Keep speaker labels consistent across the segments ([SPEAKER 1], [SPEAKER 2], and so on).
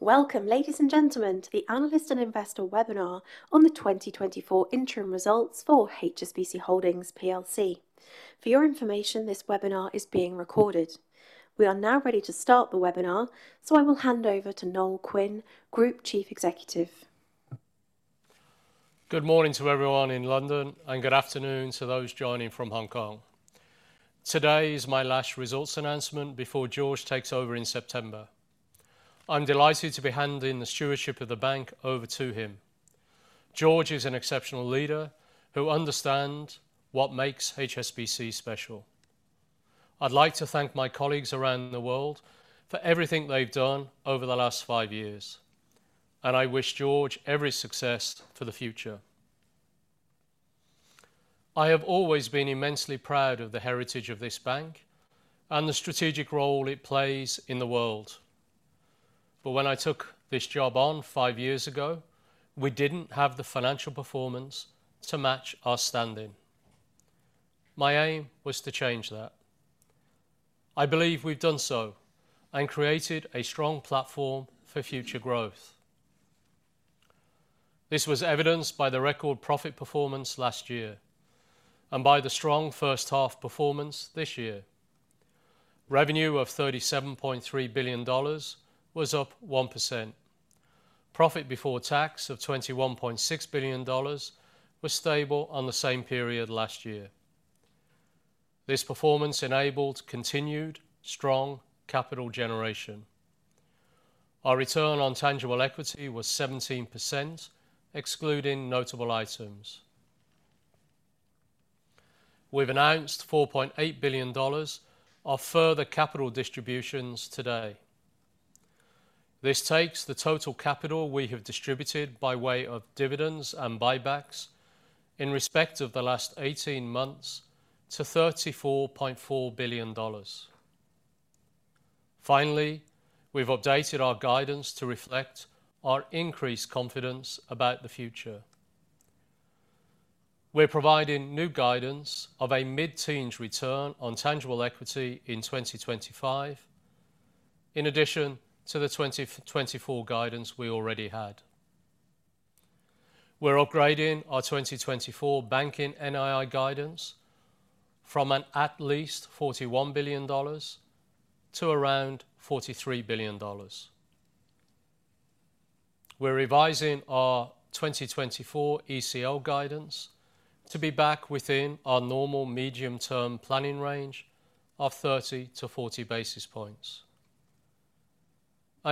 [SPEAKER 1] Welcome, ladies and gentlemen, to the Analysts and Investors Webinar on the 2024 Interim Results for HSBC Holdings Plc. For your information, this webinar is being recorded. We are now ready to start the webinar, so I will hand over to Noel Quinn, Group Chief Executive.
[SPEAKER 2] Good morning to everyone in London, and good afternoon to those joining from Hong Kong. Today is my last results announcement before George takes over in September. I'm delighted to be handing the stewardship of the bank over to him. George is an exceptional leader who understands what makes HSBC special. I'd like to thank my colleagues around the world for everything they've done over the last five years, and I wish George every success for the future. I have always been immensely proud of the heritage of this bank and the strategic role it plays in the world. But when I took this job on five years ago, we didn't have the financial performance to match our standing. My aim was to change that. I believe we've done so and created a strong platform for future growth. This was evidenced by the record profit performance last year and by the strong first-half performance this year. Revenue of $37.3 billion was up 1%. Profit before tax of $21.6 billion was stable on the same period last year. This performance enabled continued strong capital generation. Our return on tangible equity was 17%, excluding notable items. We've announced $4.8 billion of further capital distributions today. This takes the total capital we have distributed by way of dividends and buybacks in respect of the last 18 months to $34.4 billion. Finally, we've updated our guidance to reflect our increased confidence about the future. We're providing new guidance of a mid-teens return on tangible equity in 2025, in addition to the 2024 guidance we already had. We're upgrading our 2024 banking NII guidance from at least $41 billion to around $43 billion. We're revising our 2024 ECL guidance to be back within our normal medium-term planning range of 30 to 40 basis points.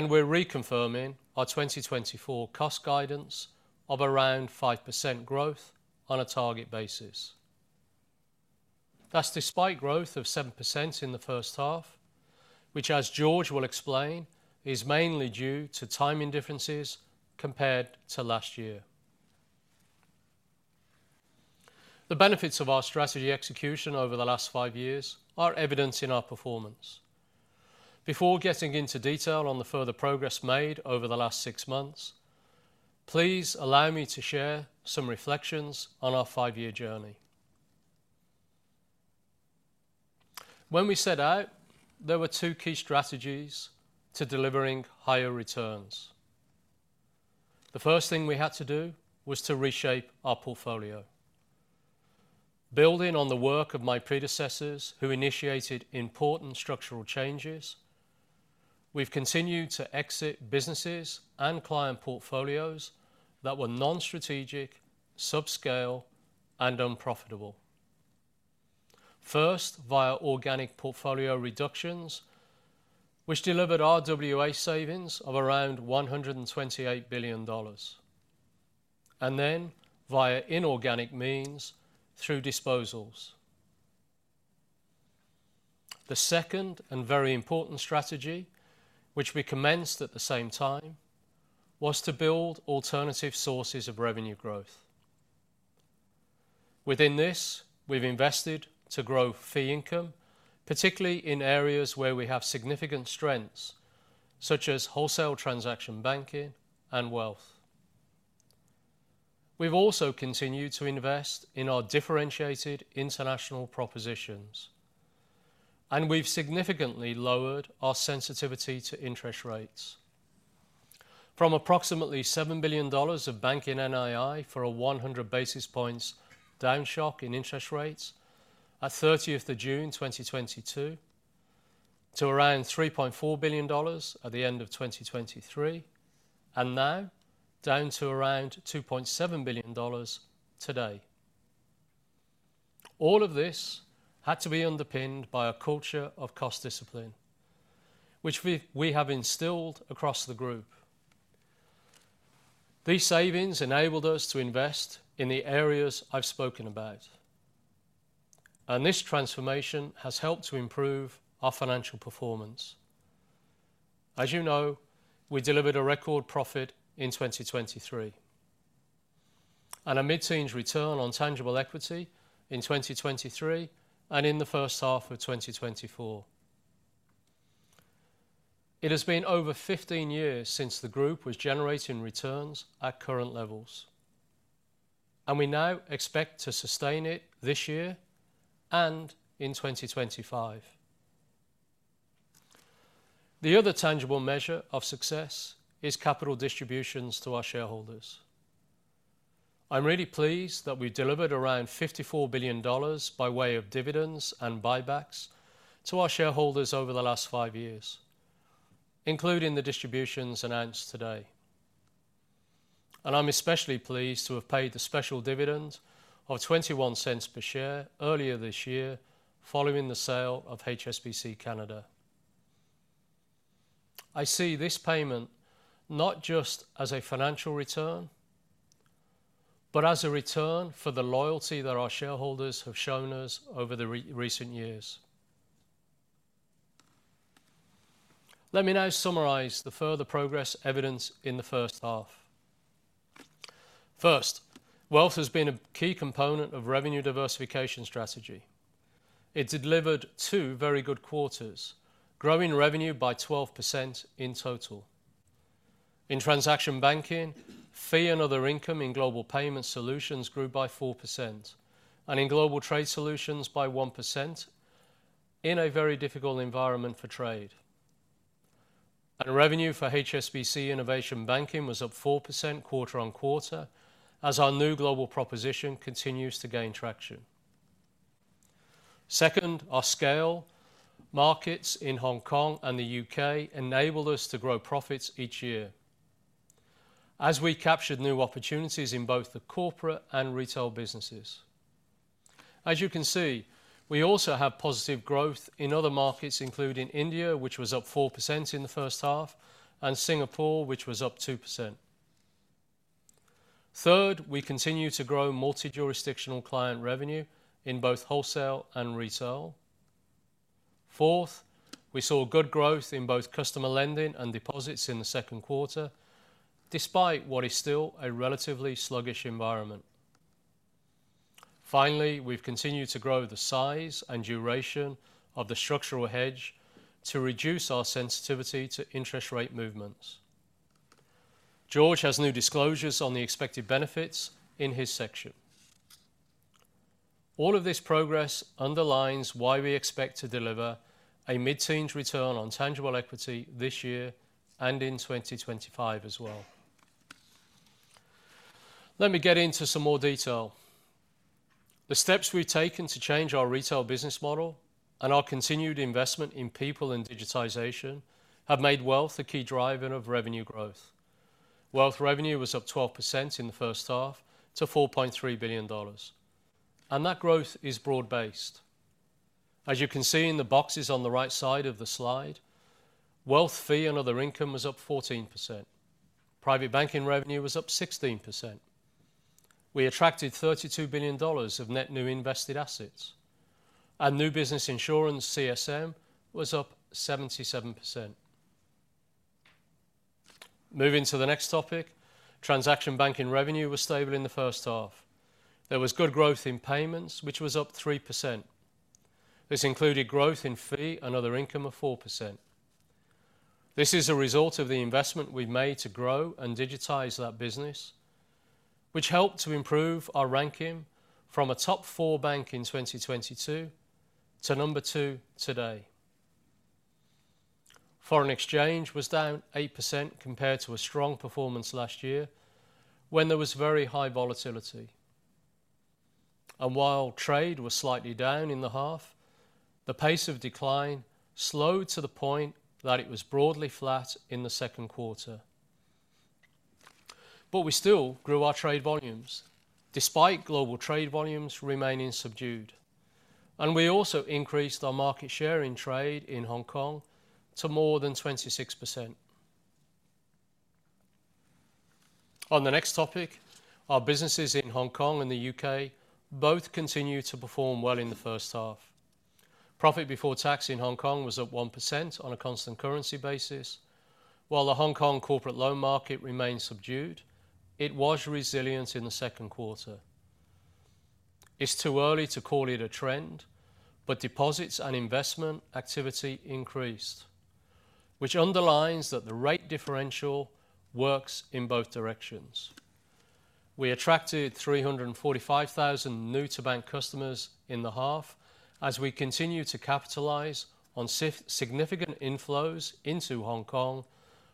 [SPEAKER 2] We're reconfirming our 2024 cost guidance of around 5% growth on a target basis. That's despite growth of 7% in the first half, which, as George will explain, is mainly due to timing differences compared to last year. The benefits of our strategy execution over the last five years are evident in our performance. Before getting into detail on the further progress made over the last six months, please allow me to share some reflections on our five-year journey. When we set out, there were two key strategies to delivering higher returns. The first thing we had to do was to reshape our portfolio. Building on the work of my predecessors who initiated important structural changes, we've continued to exit businesses and client portfolios that were non-strategic, subscale, and unprofitable. First, via organic portfolio reductions, which delivered RWA savings of around $128 billion, and then via inorganic means through disposals. The second and very important strategy, which we commenced at the same time, was to build alternative sources of revenue growth. Within this, we've invested to grow fee income, particularly in areas where we have significant strengths, such as wholesale transaction banking and wealth. We've also continued to invest in our differentiated international propositions, and we've significantly lowered our sensitivity to interest rates. From approximately $7 billion of banking NII for a 100 basis points downshock in interest rates at June 30 2022 to around $3.4 billion at the end of 2023, and now down to around $2.7 billion today. All of this had to be underpinned by a culture of cost discipline, which we have instilled across the group. These savings enabled us to invest in the areas I've spoken about, and this transformation has helped to improve our financial performance. As you know, we delivered a record profit in 2023 and a mid-teens return on tangible equity in 2023 and in the first half of 2024. It has been over 15 years since the group was generating returns at current levels, and we now expect to sustain it this year and in 2025. The other tangible measure of success is capital distributions to our shareholders. I'm really pleased that we've delivered around $54 billion by way of dividends and buybacks to our shareholders over the last five years, including the distributions announced today. I'm especially pleased to have paid the special dividend of $0.21 per share earlier this year following the sale of HSBC Canada. I see this payment not just as a financial return, but as a return for the loyalty that our shareholders have shown us over the recent years. Let me now summarize the further progress evidenced in the first half. First, wealth has been a key component of the revenue diversification strategy. It delivered two very good quarters, growing revenue by 12% in total. In transaction banking, fee and other income in Global Payments Solutions grew by 4%, and in Global Trade Solutions by 1% in a very difficult environment for trade. Revenue for HSBC Innovation Banking was up 4% quarter-over-quarter as our new global proposition continues to gain traction. Second, our scale markets in Hong Kong and the U.K. enabled us to grow profits each year as we captured new opportunities in both the corporate and retail businesses. As you can see, we also have positive growth in other markets, including India, which was up 4% in the first half, and Singapore, which was up 2%. Third, we continue to grow multi-jurisdictional client revenue in both wholesale and retail. Fourth, we saw good growth in both customer lending and deposits in the second quarter, despite what is still a relatively sluggish environment. Finally, we've continued to grow the size and duration of the structural hedge to reduce our sensitivity to interest rate movements. George has new disclosures on the expected benefits in his section. All of this progress underlines why we expect to deliver a mid-teens return on tangible equity this year and in 2025 as well. Let me get into some more detail. The steps we've taken to change our retail business model and our continued investment in people and digitization have made Wealth a key driver of revenue growth. Wealth revenue was up 12% in the first half to $4.3 billion, and that growth is broad-based. As you can see in the boxes on the right side of the slide, Wealth, fee, and other income was up 14%. Private Banking revenue was up 16%. We attracted $32 billion of net new invested assets, and new business insurance, CSM, was up 77%. Moving to the next topic, transaction banking revenue was stable in the first half. There was good growth in payments, which was up 3%. This included growth in fee and other income of 4%. This is a result of the investment we've made to grow and digitize that business, which helped to improve our ranking from a top four bank in 2022 to number two today. Foreign exchange was down 8% compared to a strong performance last year when there was very high volatility. And while trade was slightly down in the half, the pace of decline slowed to the point that it was broadly flat in the second quarter. But we still grew our trade volumes despite global trade volumes remaining subdued, and we also increased our market share in trade in Hong Kong to more than 26%. On the next topic, our businesses in Hong Kong and the U.K. both continue to perform well in the first half. Profit before tax in Hong Kong was up 1% on a constant currency basis. While the Hong Kong corporate loan market remained subdued, it was resilient in the second quarter. It's too early to call it a trend, but deposits and investment activity increased, which underlines that the rate differential works in both directions. We attracted 345,000 new-to-bank customers in the half as we continue to capitalize on significant inflows into Hong Kong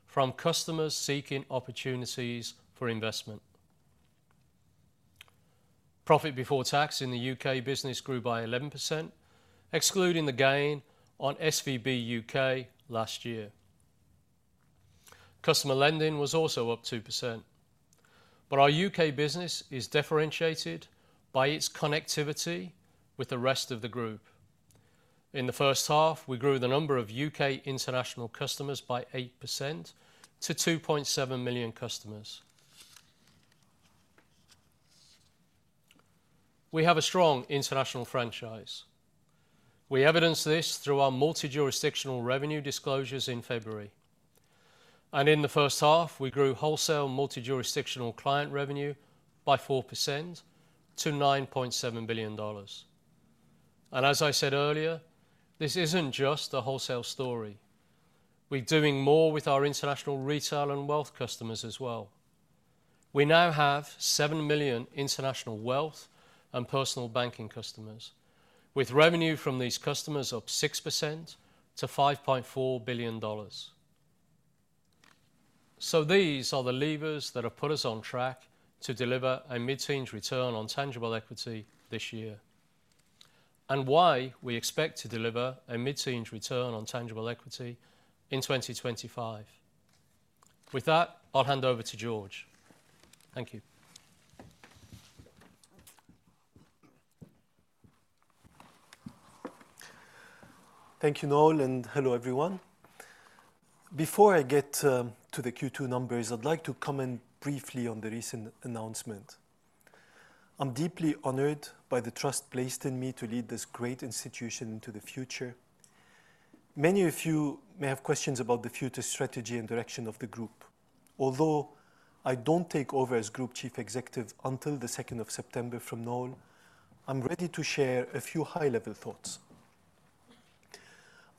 [SPEAKER 2] from customers seeking opportunities for investment. Profit before tax in the U.K. business grew by 11%, excluding the gain on SVB U.K. last year. Customer lending was also up 2%. Our U.K. business is differentiated by its connectivity with the rest of the group. In the first half, we grew the number of U.K. international customers by 8% to 2.7 million customers. We have a strong international franchise. We evidenced this through our multi-jurisdictional revenue disclosures in February. In the first half, we grew wholesale multi-jurisdictional client revenue by 4% to $9.7 billion. And as I said earlier, this isn't just a wholesale story. We're doing more with our international retail and wealth customers as well. We now have 7 million international Wealth and Personal Banking customers, with revenue from these customers up 6% to $5.4 billion. These are the levers that have put us on track to deliver a mid-teens return on tangible equity this year and why we expect to deliver a mid-teens return on tangible equity in 2025. With that, I'll hand over to George. Thank you.
[SPEAKER 3] Thank you, Noel, and hello everyone. Before I get to the Q2 numbers, I'd like to comment briefly on the recent announcement. I'm deeply honored by the trust placed in me to lead this great institution into the future. Many of you may have questions about the future strategy and direction of the group. Although I don't take over as Group Chief Executive until the 2nd of September from Noel, I'm ready to share a few high-level thoughts.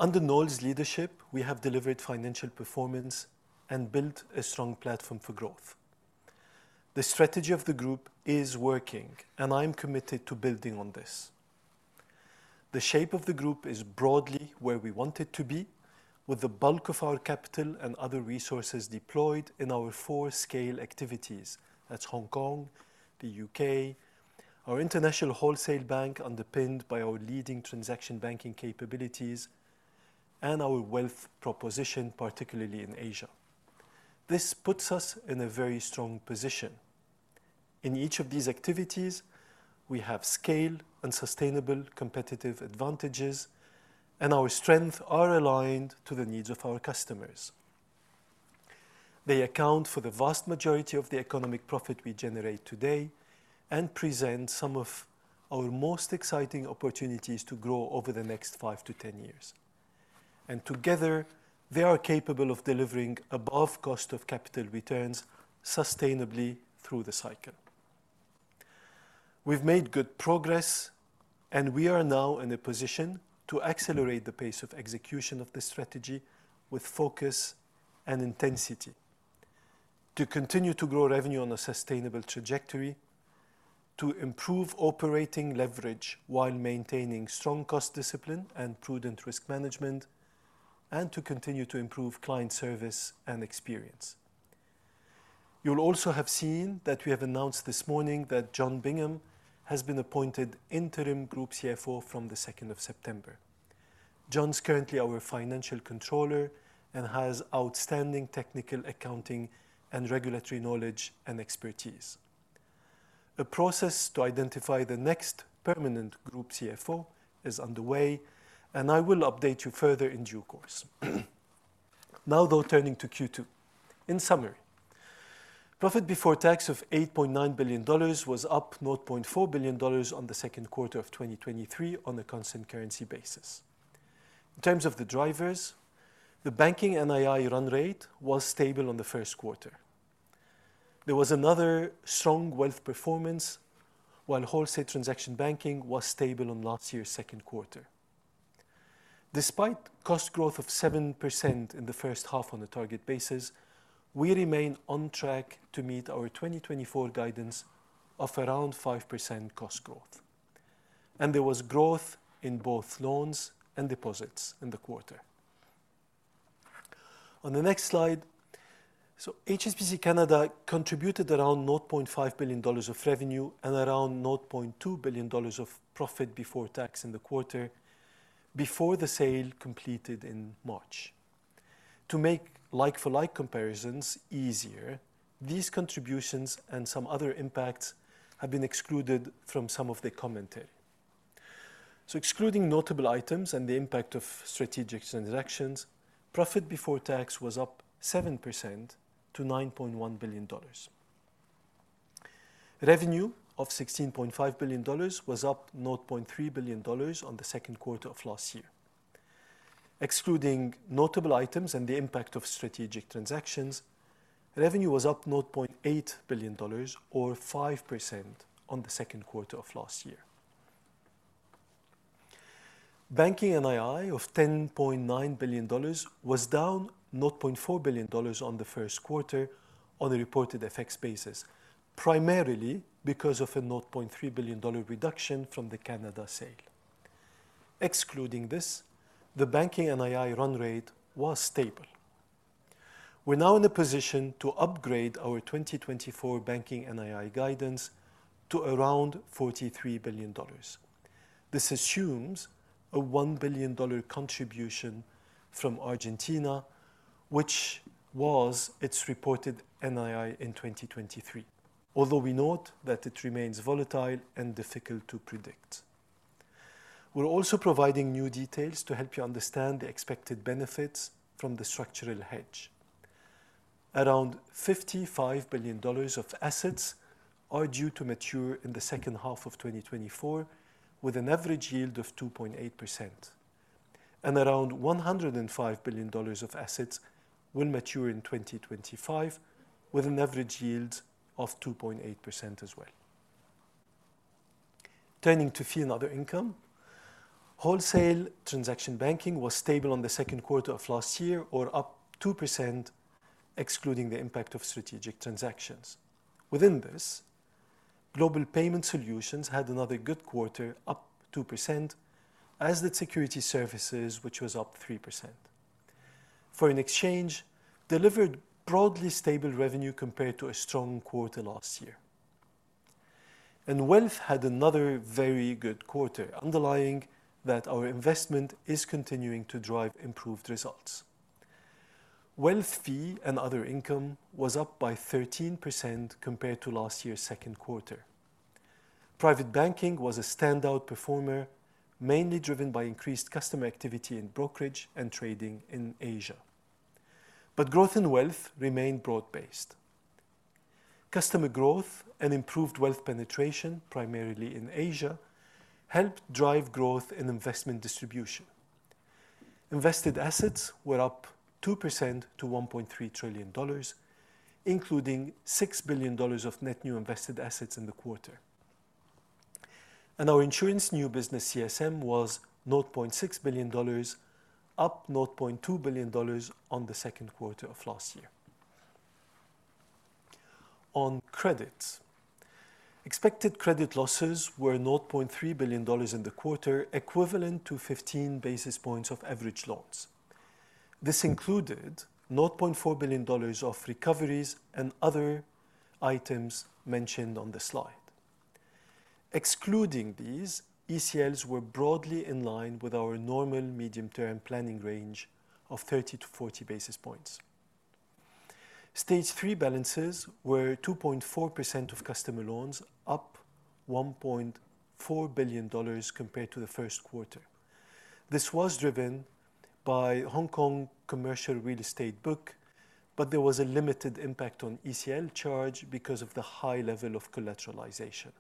[SPEAKER 3] Under Noel's leadership, we have delivered financial performance and built a strong platform for growth. The strategy of the group is working, and I'm committed to building on this. The shape of the group is broadly where we want it to be, with the bulk of our capital and other resources deployed in our four scale activities. That's Hong Kong, the U.K., our international wholesale bank underpinned by our leading transaction banking capabilities, and our wealth proposition, particularly in Asia. This puts us in a very strong position. In each of these activities, we have scale and sustainable competitive advantages, and our strengths are aligned to the needs of our customers. They account for the vast majority of the economic profit we generate today and present some of our most exciting opportunities to grow over the next five to 10 years. Together, they are capable of delivering above cost of capital returns sustainably through the cycle. We've made good progress, and we are now in a position to accelerate the pace of execution of the strategy with focus and intensity to continue to grow revenue on a sustainable trajectory, to improve operating leverage while maintaining strong cost discipline and prudent risk management, and to continue to improve client service and experience. You'll also have seen that we have announced this morning that John Bingham has been appointed interim Group CFO from the 2nd of September. John's currently our financial controller and has outstanding technical accounting and regulatory knowledge and expertise. A process to identify the next permanent Group CFO is underway, and I will update you further in due course. Now, though, turning to Q2. In summary, profit before tax of $8.9 billion was up $0.4 billion on the second quarter of 2023 on a constant currency basis. In terms of the drivers, the banking NII run rate was stable on the first quarter. There was another strong wealth performance while wholesale transaction banking was stable on last year's second quarter. Despite cost growth of 7% in the first half on a target basis, we remain on track to meet our 2024 guidance of around 5% cost growth. There was growth in both loans and deposits in the quarter. On the next slide, so HSBC Canada contributed around $0.5 billion of revenue and around $0.2 billion of profit before tax in the quarter before the sale completed in March. To make like-for-like comparisons easier, these contributions and some other impacts have been excluded from some of the commentary. Excluding notable items and the impact of strategic transactions, profit before tax was up 7% to $9.1 billion. Revenue of $16.5 billion was up $0.3 billion on the second quarter of last year. Excluding notable items and the impact of strategic transactions, revenue was up $0.8 billion, or 5% on the second quarter of last year. Banking NII of $10.9 billion was down $0.4 billion on the first quarter on a reported effects basis, primarily because of a $0.3 billion reduction from the Canada sale. Excluding this, the banking NII run rate was stable. We're now in a position to upgrade our 2024 banking NII guidance to around $43 billion. This assumes a $1 billion contribution from Argentina, which was its reported NII in 2023, although we note that it remains volatile and difficult to predict. We're also providing new details to help you understand the expected benefits from the structural hedge. Around $55 billion of assets are due to mature in the second half of 2024, with an average yield of 2.8%. Around $105 billion of assets will mature in 2025, with an average yield of 2.8% as well. Turning to fee and other income, wholesale transaction banking was stable on the second quarter of last year, or up 2%, excluding the impact of strategic transactions. Within this, Global Payment Solutions had another good quarter, up 2%, as did Securities Services, which was up 3%. Foreign exchange delivered broadly stable revenue compared to a strong quarter last year. Wealth had another very good quarter, underlying that our investment is continuing to drive improved results. Wealth fee and other income was up by 13% compared to last year's second quarter. Private Banking was a standout performer, mainly driven by increased customer activity in brokerage and trading in Asia. But growth in wealth remained broad-based. Customer growth and improved wealth penetration, primarily in Asia, helped drive growth in investment distribution. Invested assets were up 2% to $1.3 trillion, including $6 billion of net new invested assets in the quarter. And our insurance new business, CSM, was $0.6 billion, up $0.2 billion on the second quarter of last year. On credits, expected credit losses were $0.3 billion in the quarter, equivalent to 15 basis points of average loans. This included $0.4 billion of recoveries and other items mentioned on the slide. Excluding these, ECLs were broadly in line with our normal medium-term planning range of 30 to 40 basis points. Stage three balances were 2.4% of customer loans, up $1.4 billion compared to the first quarter. This was driven by Hong Kong commercial real estate book, but there was a limited impact on ECL charge because of the high level of collateralization.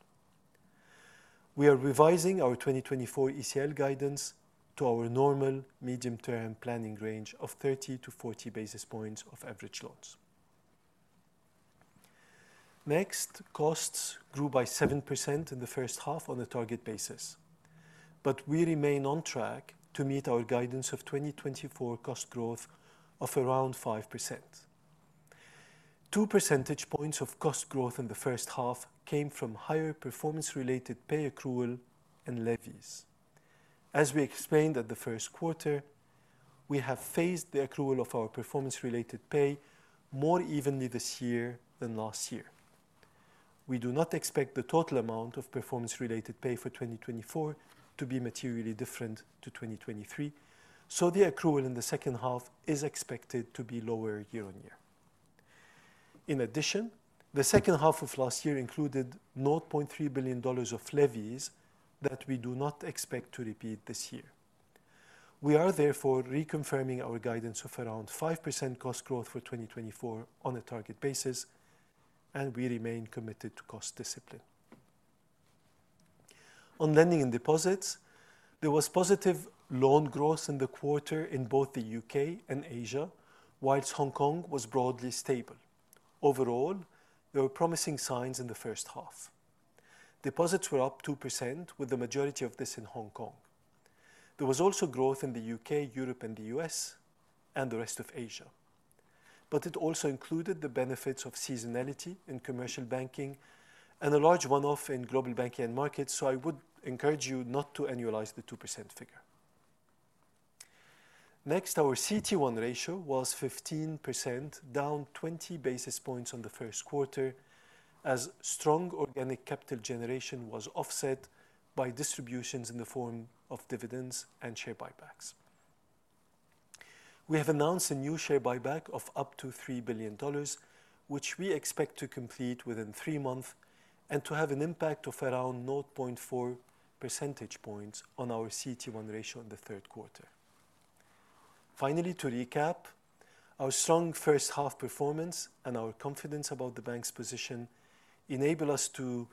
[SPEAKER 3] We are revising our 2024 ECL guidance to our normal medium-term planning range of 30 to 40 basis points of average loans. Next, costs grew by 7% in the first half on a target basis, but we remain on track to meet our guidance of 2024 cost growth of around 5%. Two percentage points of cost growth in the first half came from higher performance-related pay accrual and levies. As we explained at the first quarter, we have phased the accrual of our performance-related pay more evenly this year than last year. We do not expect the total amount of performance-related pay for 2024 to be materially different to 2023, so the accrual in the second half is expected to be lower year-on-year. In addition, the second half of last year included $0.3 billion of levies that we do not expect to repeat this year. We are therefore reconfirming our guidance of around 5% cost growth for 2024 on a target basis, and we remain committed to cost discipline. On lending and deposits, there was positive loan growth in the quarter in both the U.K. and Asia, while Hong Kong was broadly stable. Overall, there were promising signs in the first half. Deposits were up 2%, with the majority of this in Hong Kong. There was also growth in the U.K., Europe, and the U.S., and the rest of Asia. But it also included the benefits of seasonality in Commercial Banking and a large one-off in Global Banking and Markets, so I would encourage you not to annualize the 2% figure. Next, our CET1 ratio was 15%, down 20 basis points on the first quarter, as strong organic capital generation was offset by distributions in the form of dividends and share buybacks. We have announced a new share buyback of up to $3 billion, which we expect to complete within three months and to have an impact of around 0.4 percentage points on our CET1 ratio in the third quarter. Finally, to recap, our strong first half performance and our confidence about the bank's position enable us to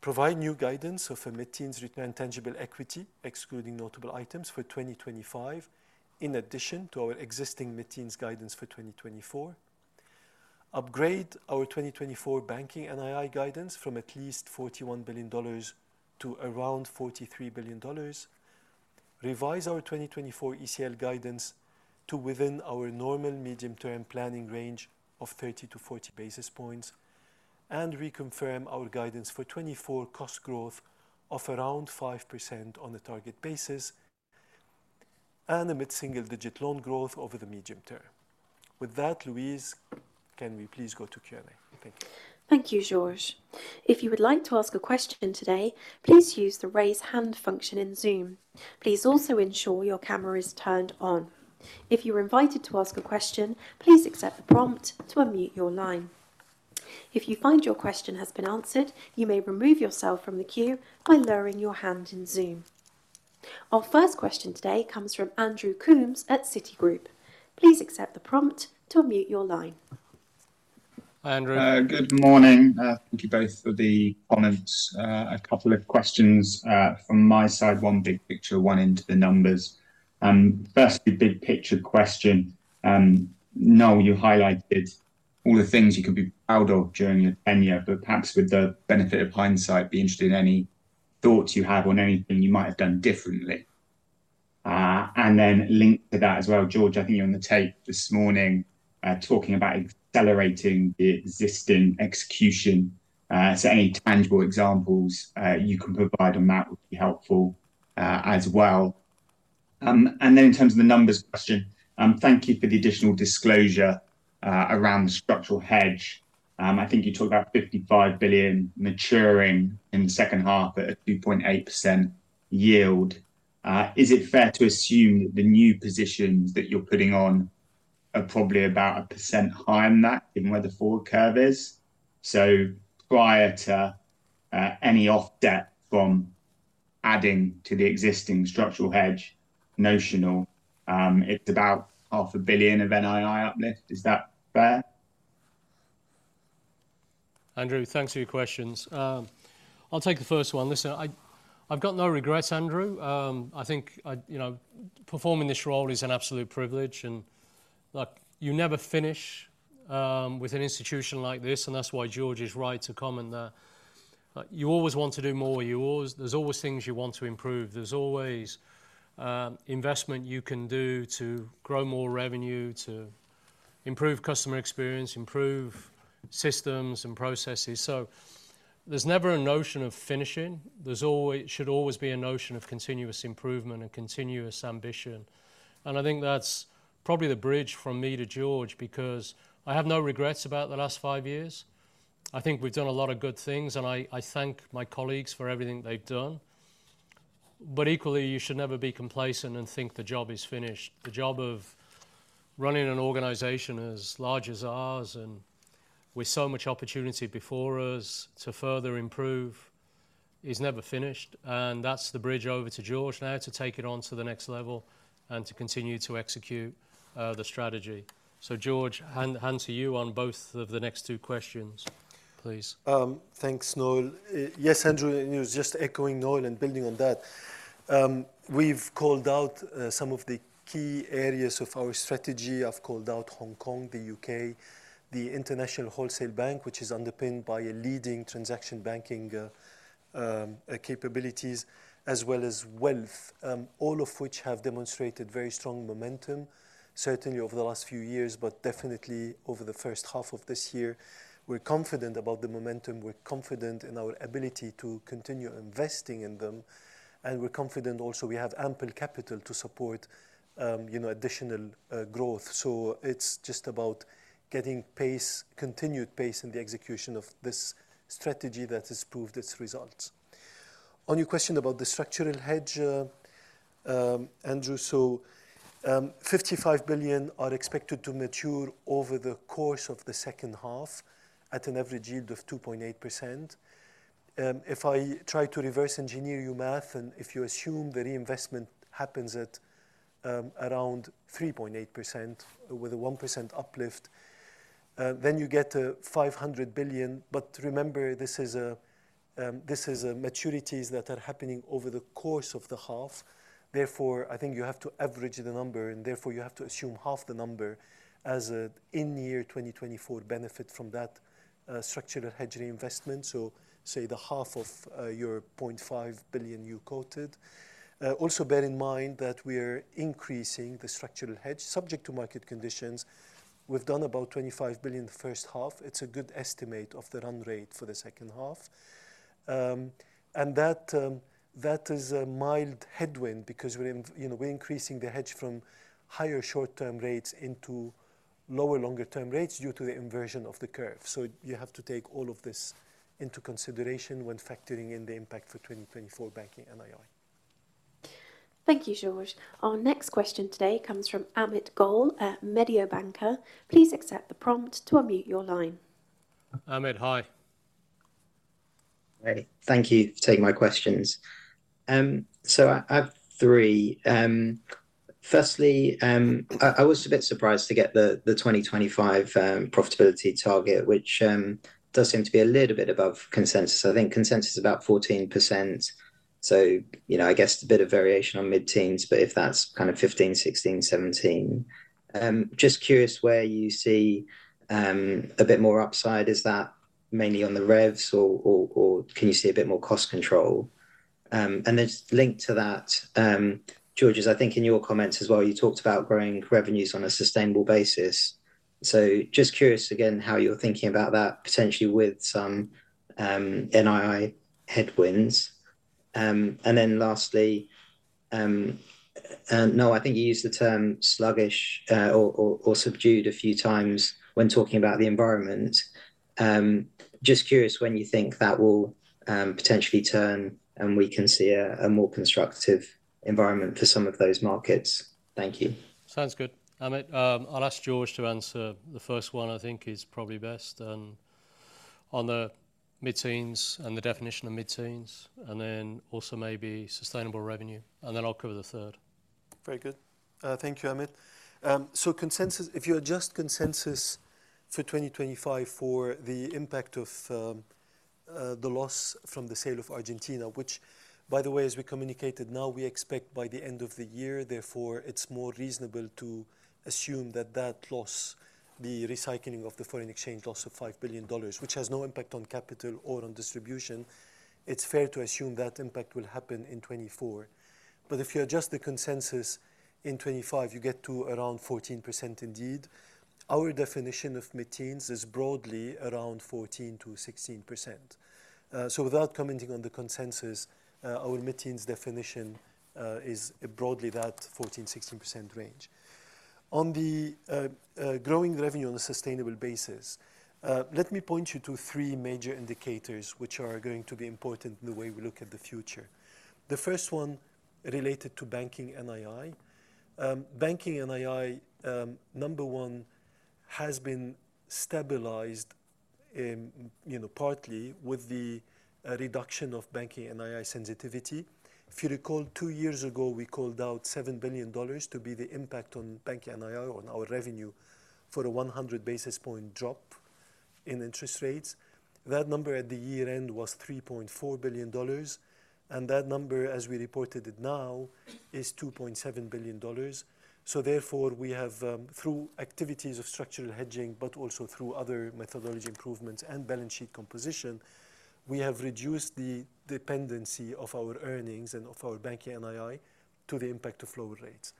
[SPEAKER 3] provide new guidance of a mid-teens return on tangible equity, excluding notable items for 2025, in addition to our existing mid-teens guidance for 2024, upgrade our 2024 banking NII guidance from at least $41 billion to around $43 billion, revise our 2024 ECL guidance to within our normal medium-term planning range of 30 to 40 basis points, and reconfirm our guidance for 2024 cost growth of around 5% on a target basis and a mid-single-digit loan growth over the medium term. With that, Louise, can we please go to Q&A? Thank you.
[SPEAKER 1] Thank you, George. If you would like to ask a question today, please use the raise hand function in Zoom. Please also ensure your camera is turned on. If you are invited to ask a question, please accept the prompt to unmute your line. If you find your question has been answered, you may remove yourself from the queue by lowering your hand in Zoom. Our first question today comes from Andrew Coombs at Citigroup. Please accept the prompt to unmute your line.
[SPEAKER 3] Hi, Andrew.
[SPEAKER 4] Good morning. Thank you both for the comments. A couple of questions from my side, one big picture, one into the numbers. Firstly, big picture question. Noel, you highlighted all the things you could be proud of during your tenure, but perhaps with the benefit of hindsight, be interested in any thoughts you have on anything you might have done differently. And then link to that as well. George, I think you're on the tape this morning talking about accelerating the existing execution. So any tangible examples you can provide on that would be helpful as well. And then in terms of the numbers question, thank you for the additional disclosure around the structural hedge. I think you talked about $55 billion maturing in the second half at a 2.8% yield. Is it fair to assume that the new positions that you're putting on are probably about 1% higher than that, given where the forward curve is? So prior to any offset from adding to the existing structural hedge, notional, it's about $500 million of NII uplift. Is that fair?
[SPEAKER 2] Andrew, thanks for your questions. I'll take the first one. Listen, I've got no regrets, Andrew. I think performing this role is an absolute privilege. And you never finish with an institution like this. And that's why George is right to comment that you always want to do more. There's always things you want to improve. There's always investment you can do to grow more revenue, to improve customer experience, improve systems and processes. So there's never a notion of finishing. There should always be a notion of continuous improvement and continuous ambition. And I think that's probably the bridge from me to George because I have no regrets about the last five years. I think we've done a lot of good things, and I thank my colleagues for everything they've done. But equally, you should never be complacent and think the job is finished. The job of running an organization as large as ours, and with so much opportunity before us to further improve, is never finished. And that's the bridge over to George now to take it on to the next level and to continue to execute the strategy. So George, hand to you on both of the next two questions, please.
[SPEAKER 3] Thanks, Noel. Yes, Andrew, and he was just echoing Noel and building on that. We've called out some of the key areas of our strategy. I've called out Hong Kong, the U.K., the International Wholesale Bank, which is underpinned by leading transaction banking capabilities, as well as wealth, all of which have demonstrated very strong momentum, certainly over the last few years, but definitely over the first half of this year. We're confident about the momentum. We're confident in our ability to continue investing in them. And we're confident also we have ample capital to support additional growth. So it's just about getting continued pace in the execution of this strategy that has proved its results. On your question about the structural hedge, Andrew, so $55 billion are expected to mature over the course of the second half at an average yield of 2.8%. If I try to reverse engineer your math, and if you assume the reinvestment happens at around 3.8% with a 1% uplift, then you get $500 billion. But remember, this is maturities that are happening over the course of the half. Therefore, I think you have to average the number, and therefore you have to assume half the number as an in-year 2024 benefit from that structural hedge reinvestment. So say the half of your $0.5 billion you quoted. Also, bear in mind that we are increasing the structural hedge subject to market conditions. We've done about $25 billion the first half. It's a good estimate of the run rate for the second half. And that is a mild headwind because we're increasing the hedge from higher short-term rates into lower longer-term rates due to the inversion of the curve. You have to take all of this into consideration when factoring in the impact for 2024 Banking NII.
[SPEAKER 1] Thank you, George. Our next question today comes from Amit Goel at Mediobanca. Please accept the prompt to unmute your line.
[SPEAKER 3] Amit, hi.
[SPEAKER 5] Great. Thank you for taking my questions. So I have three. Firstly, I was a bit surprised to get the 2025 profitability target, which does seem to be a little bit above consensus. I think consensus is about 14%. So I guess a bit of variation on mid-teens, but if that's kind of 15, 16, 17. Just curious where you see a bit more upside. Is that mainly on the revs, or can you see a bit more cost control? And then link to that, George, as I think in your comments as well, you talked about growing revenues on a sustainable basis. So just curious again how you're thinking about that, potentially with some NII headwinds. And then lastly, no, I think you used the term sluggish or subdued a few times when talking about the environment. Just curious when you think that will potentially turn and we can see a more constructive environment for some of those markets? Thank you.
[SPEAKER 2] Sounds good. I'll ask George to answer the first one, I think is probably best on the mid-teens and the definition of mid-teens, and then also maybe sustainable revenue. And then I'll cover the third.
[SPEAKER 3] Very good. Thank you, Amit. So consensus, if you adjust consensus for 2025 for the impact of the loss from the sale of Argentina, which, by the way, as we communicated now, we expect by the end of the year, therefore it's more reasonable to assume that that loss, the recycling of the foreign exchange loss of $5 billion, which has no impact on capital or on distribution, it's fair to assume that impact will happen in 2024. But if you adjust the consensus in 2025, you get to around 14% indeed. Our definition of mid-teens is broadly around 14%-16%. So without commenting on the consensus, our mid-teens definition is broadly that 14%-16% range. On the growing revenue on a sustainable basis, let me point you to three major indicators which are going to be important in the way we look at the future. The first one related to banking NII. Banking NII, number one, has been stabilized partly with the reduction of banking NII sensitivity. If you recall, two years ago, we called out $7 billion to be the impact on banking NII or on our revenue for a 100 basis point drop in interest rates. That number at the year-end was $3.4 billion. And that number, as we reported it now, is $2.7 billion. So therefore, we have, through activities of structural hedging, but also through other methodology improvements and balance sheet composition, we have reduced the dependency of our earnings and of our banking NII to the impact of lower rates.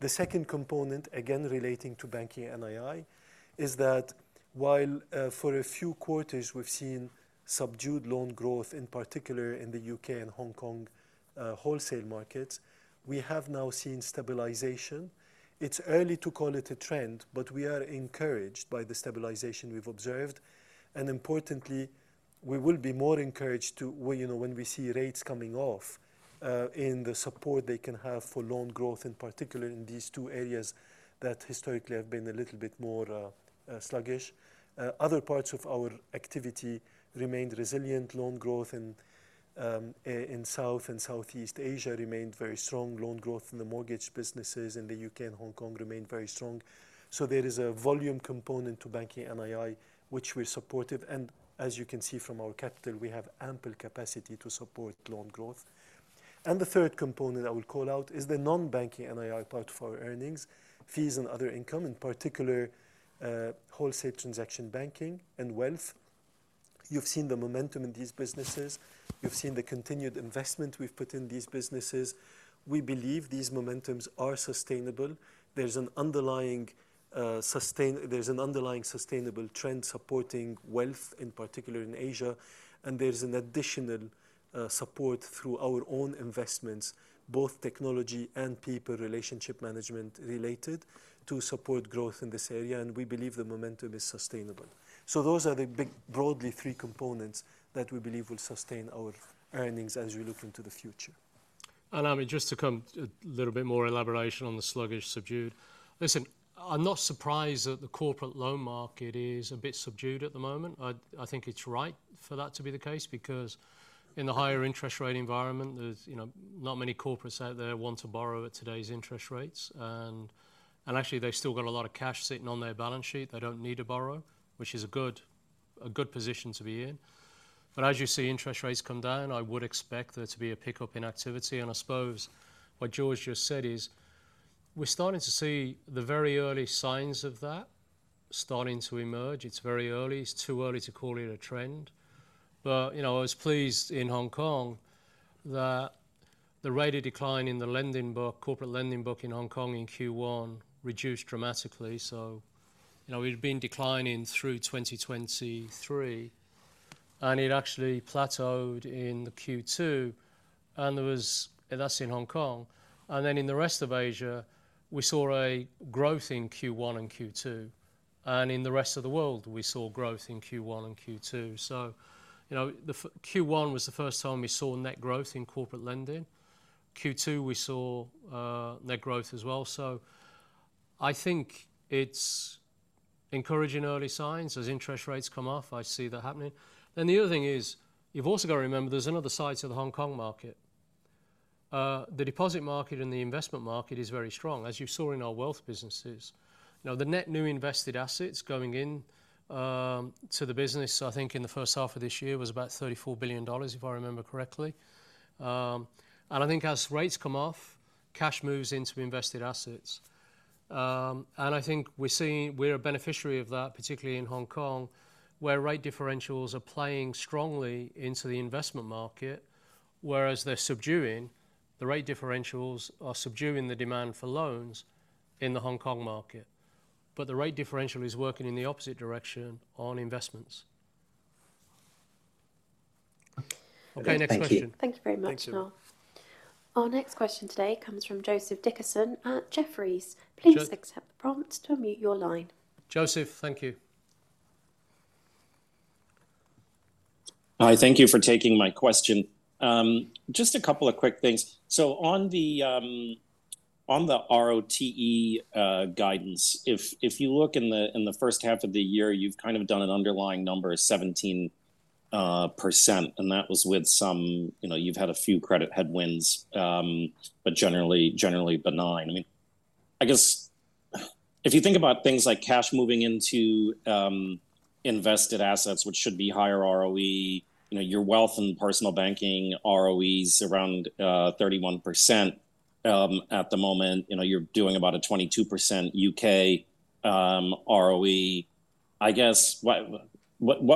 [SPEAKER 3] The second component, again relating to banking NII, is that while for a few quarters we've seen subdued loan growth, in particular in the U.K. and Hong Kong wholesale markets, we have now seen stabilization. It's early to call it a trend, but we are encouraged by the stabilization we've observed. And importantly, we will be more encouraged when we see rates coming off in the support they can have for loan growth, in particular in these two areas that historically have been a little bit more sluggish. Other parts of our activity remained resilient. Loan growth in South and Southeast Asia remained very strong. Loan growth in the mortgage businesses in the U.K. and Hong Kong remained very strong. So there is a volume component to banking NII, which we're supportive. And as you can see from our capital, we have ample capacity to support loan growth. And the third component I will call out is the non-banking NII part of our earnings, fees, and other income, in particular wholesale transaction banking and wealth. You've seen the momentum in these businesses. You've seen the continued investment we've put in these businesses. We believe these momentums are sustainable. There's an underlying sustainable trend supporting wealth, in particular in Asia. And there's an additional support through our own investments, both technology and people relationship management related to support growth in this area. And we believe the momentum is sustainable. So those are the big broadly three components that we believe will sustain our earnings as we look into the future.
[SPEAKER 2] Amit, just to come a little bit more elaboration on the sluggish subdued. Listen, I'm not surprised that the corporate loan market is a bit subdued at the moment. I think it's right for that to be the case because in the higher interest rate environment, there's not many corporates out there want to borrow at today's interest rates. And actually, they've still got a lot of cash sitting on their balance sheet. They don't need a borrow, which is a good position to be in. But as you see interest rates come down, I would expect there to be a pickup in activity. And I suppose what George just said is we're starting to see the very early signs of that starting to emerge. It's very early. It's too early to call it a trend. But I was pleased in Hong Kong that the rate of decline in the corporate lending book in Hong Kong in Q1 reduced dramatically. So we've been declining through 2023, and it actually plateaued in Q2. And that's in Hong Kong. And then in the rest of Asia, we saw a growth in Q1 and Q2. And in the rest of the world, we saw growth in Q1 and Q2. So Q1 was the first time we saw net growth in corporate lending. Q2, we saw net growth as well. So I think it's encouraging early signs. As interest rates come off, I see that happening. And the other thing is you've also got to remember there's another side to the Hong Kong market. The deposit market and the investment market is very strong, as you saw in our wealth businesses. The net new invested assets going into the business, I think in the first half of this year, was about $34 billion, if I remember correctly. And I think as rates come off, cash moves into invested assets. And I think we're a beneficiary of that, particularly in Hong Kong, where rate differentials are playing strongly into the investment market, whereas they're subduing. The rate differentials are subduing the demand for loans in the Hong Kong market. But the rate differential is working in the opposite direction on investments. Okay, next question.
[SPEAKER 1] Thank you. Thank you very much, Noel. Our next question today comes from Joseph Dickerson at Jefferies. Please accept the prompt to unmute your line.
[SPEAKER 3] Joseph, thank you.
[SPEAKER 6] Hi, thank you for taking my question. Just a couple of quick things. So on the ROTE guidance, if you look in the first half of the year, you've kind of done an underlying number of 17%. And that was with some you've had a few credit headwinds, but generally benign. I mean, I guess if you think about things like cash moving into invested assets, which should be higher ROE, your Wealth and Personal Banking ROEs around 31% at the moment. You're doing about a 22% UK ROE. I guess what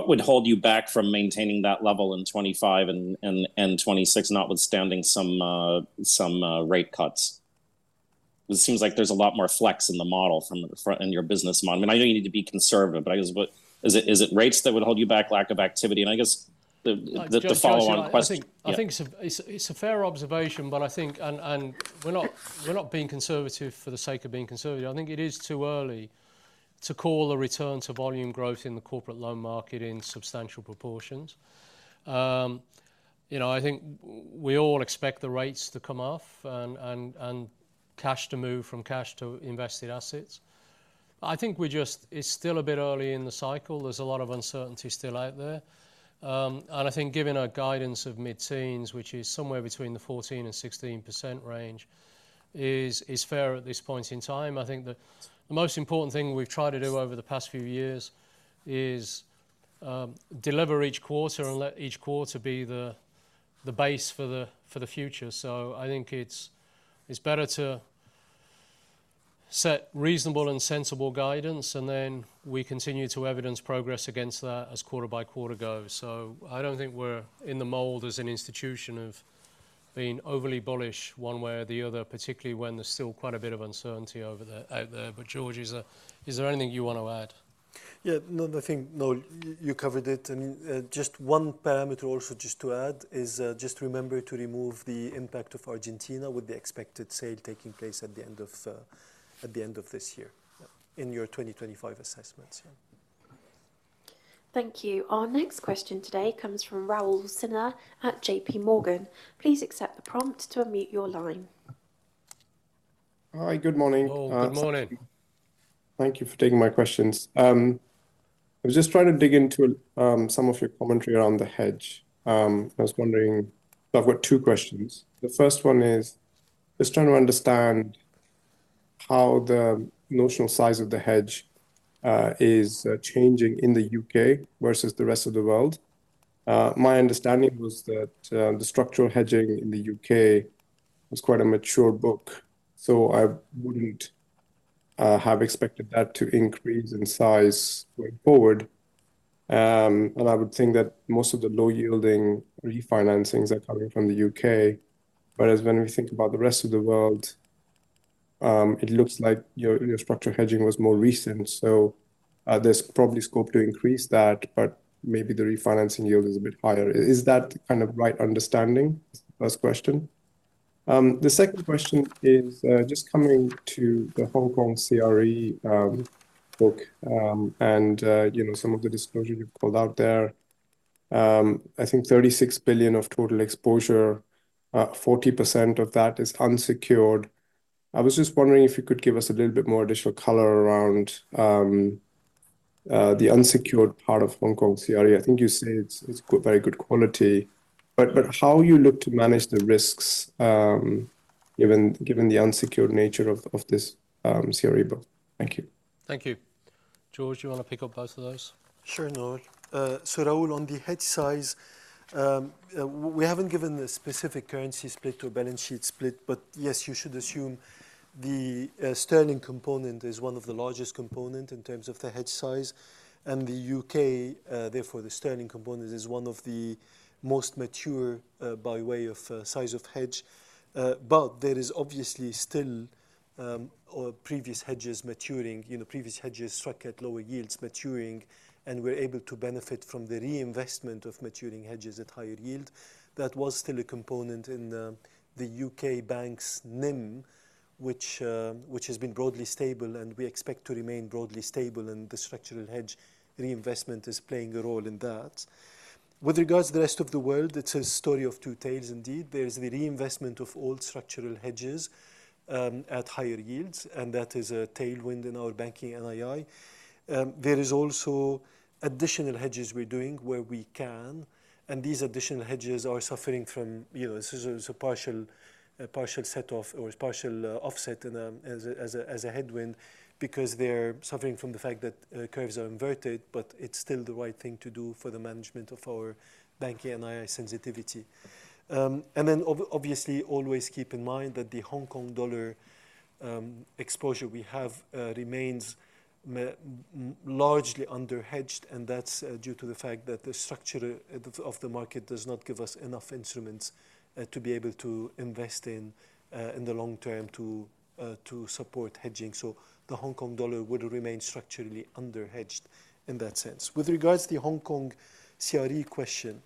[SPEAKER 6] would hold you back from maintaining that level in 2025 and 2026, notwithstanding some rate cuts? It seems like there's a lot more flex in the model from your business model. I mean, I know you need to be conservative, but is it rates that would hold you back, lack of activity? And I guess the follow-on question.
[SPEAKER 2] I think it's a fair observation, but I think we're not being conservative for the sake of being conservative. I think it is too early to call a return to volume growth in the corporate loan market in substantial proportions. I think we all expect the rates to come off and cash to move from cash to invested assets. I think it's still a bit early in the cycle. There's a lot of uncertainty still out there. And I think, given our guidance of mid-teens, which is somewhere between the 14%-16% range, is fair at this point in time. I think the most important thing we've tried to do over the past few years is deliver each quarter and let each quarter be the base for the future. So I think it's better to set reasonable and sensible guidance, and then we continue to evidence progress against that as quarter by quarter goes. So I don't think we're in the mold as an institution of being overly bullish one way or the other, particularly when there's still quite a bit of uncertainty out there. But George, is there anything you want to add?
[SPEAKER 3] Yeah, you covered it. Just one parameter also to add is just remember to remove the impact of Argentina with the expected sale taking place at the end of this year in your 2025 assessments.
[SPEAKER 1] Thank you. Our next question today comes from Raul Sinha at JPMorgan. Please accept the prompt to unmute your line.
[SPEAKER 7] Hi, good morning.
[SPEAKER 3] Good morning.
[SPEAKER 7] Thank you for taking my questions. I was just trying to dig into some of your commentary around the hedge. I was wondering, so I've got two questions. The first one is just trying to understand how the notional size of the hedge is changing in the U.K. versus the rest of the world. My understanding was that the structural hedging in the U.K. was quite a mature book. So I wouldn't have expected that to increase in size going forward. And I would think that most of the low-yielding refinancings are coming from the U.K.. Whereas when we think about the rest of the world, it looks like your structural hedging was more recent. So there's probably scope to increase that, but maybe the refinancing yield is a bit higher. Is that kind of right understanding? That's the first question. The second question is just coming to the Hong Kong CRE book and some of the disclosures you've called out there. I think $36 billion of total exposure, 40% of that is unsecured. I was just wondering if you could give us a little bit more additional color around the unsecured part of Hong Kong CRE. I think you say it's very good quality. But how you look to manage the risks given the unsecured nature of this CRE book? Thank you.
[SPEAKER 2] Thank you. George, do you want to pick up both of those?
[SPEAKER 3] Sure, Noel. So Raul, on the hedge size, we haven't given the specific currency split or balance sheet split, but yes, you should assume the sterling component is one of the largest components in terms of the hedge size. And the U.K., therefore, the sterling component is one of the most mature by way of size of hedge. But there is obviously still previous hedges maturing, previous hedges struck at lower yields maturing, and we're able to benefit from the reinvestment of maturing hedges at higher yield. That was still a component in the U.K. bank's NIM, which has been broadly stable, and we expect to remain broadly stable. And the structural hedge reinvestment is playing a role in that. With regards to the rest of the world, it's a story of two tails indeed. There is the reinvestment of old structural hedges at higher yields, and that is a tailwind in our Banking NII. There is also additional hedges we're doing where we can. And these additional hedges are suffering from a partial set-off or partial offset as a headwind because they're suffering from the fact that curves are inverted, but it's still the right thing to do for the management of our Banking NII sensitivity. And then obviously, always keep in mind that the Hong Kong dollar exposure we have remains largely underhedged, and that's due to the fact that the structure of the market does not give us enough instruments to be able to invest in the long term to support hedging. So the Hong Kong dollar would remain structurally underhedged in that sense. With regards to the Hong Kong CRE question,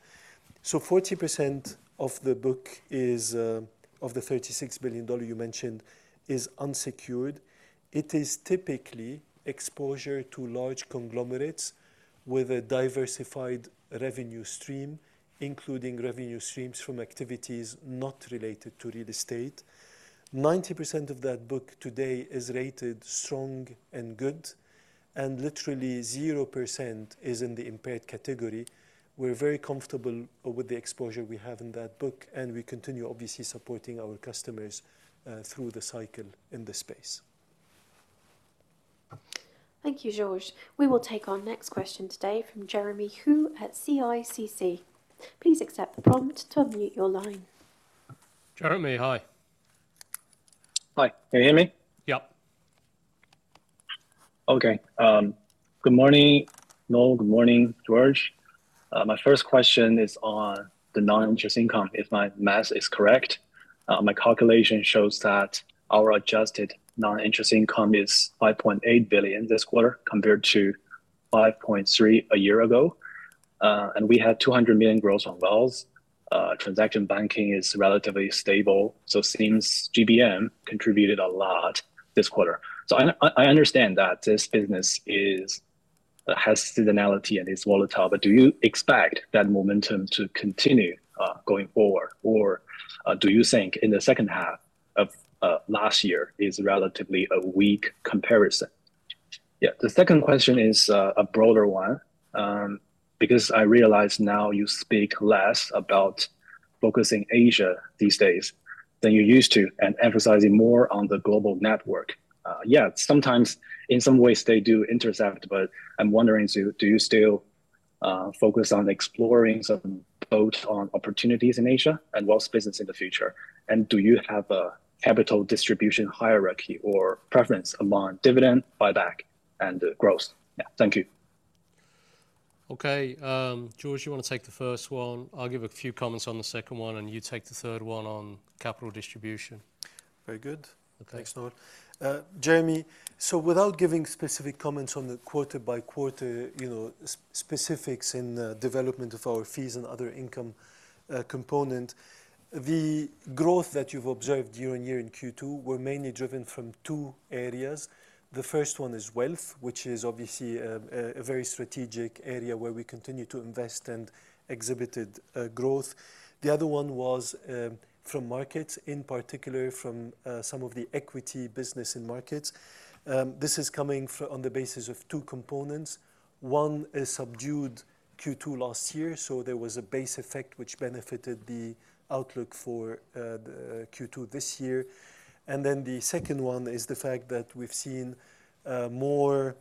[SPEAKER 3] so 40% of the book of the $36 billion you mentioned is unsecured. It is typically exposure to large conglomerates with a diversified revenue stream, including revenue streams from activities not related to real estate. 90% of that book today is rated strong and good, and literally 0% is in the impaired category. We're very comfortable with the exposure we have in that book, and we continue obviously supporting our customers through the cycle in this space.
[SPEAKER 1] Thank you, George. We will take our next question today from Jeremy Hou at CICC. Please accept the prompt to unmute your line.
[SPEAKER 3] Jeremy, hi.
[SPEAKER 8] Hi, can you hear me?
[SPEAKER 3] Yep.
[SPEAKER 8] Okay. Good morning, Noel, good morning, George. My first question is on the non-interest income. If my math is correct, my calculation shows that our adjusted non-interest income is $5.8 billion this quarter compared to $5.3 billion a year ago. And we had $200 million gross on wealth. Transaction banking is relatively stable. So it seems GBM contributed a lot this quarter. So I understand that this business has seasonality and is volatile, but do you expect that momentum to continue going forward, or do you think in the second half of last year is relatively a weak comparison? Yeah, the second question is a broader one because I realize now you speak less about focusing Asia these days than you used to and emphasizing more on the global network. Yeah, sometimes in some ways they do intercept, but I'm wondering, do you still focus on exploring both on opportunities in Asia and wealth business in the future? And do you have a capital distribution hierarchy or preference among dividend, buyback, and growth? Yeah, thank you.
[SPEAKER 2] Okay. George, you want to take the first one? I'll give a few comments on the second one, and you take the third one on capital distribution.
[SPEAKER 3] Very good. Thanks, Noel. Jeremy, so without giving specific comments on the quarter-by-quarter specifics in the development of our fees and other income component, the growth that you've observed year-on-year in Q2 were mainly driven from two areas. The first one is wealth, which is obviously a very strategic area where we continue to invest and exhibited growth. The other one was from markets, in particular from some of the equity business in markets. This is coming on the basis of two components. One is subdued Q2 last year, so there was a base effect which benefited the outlook for Q2 this year. And then the second one is the fact that we've seen more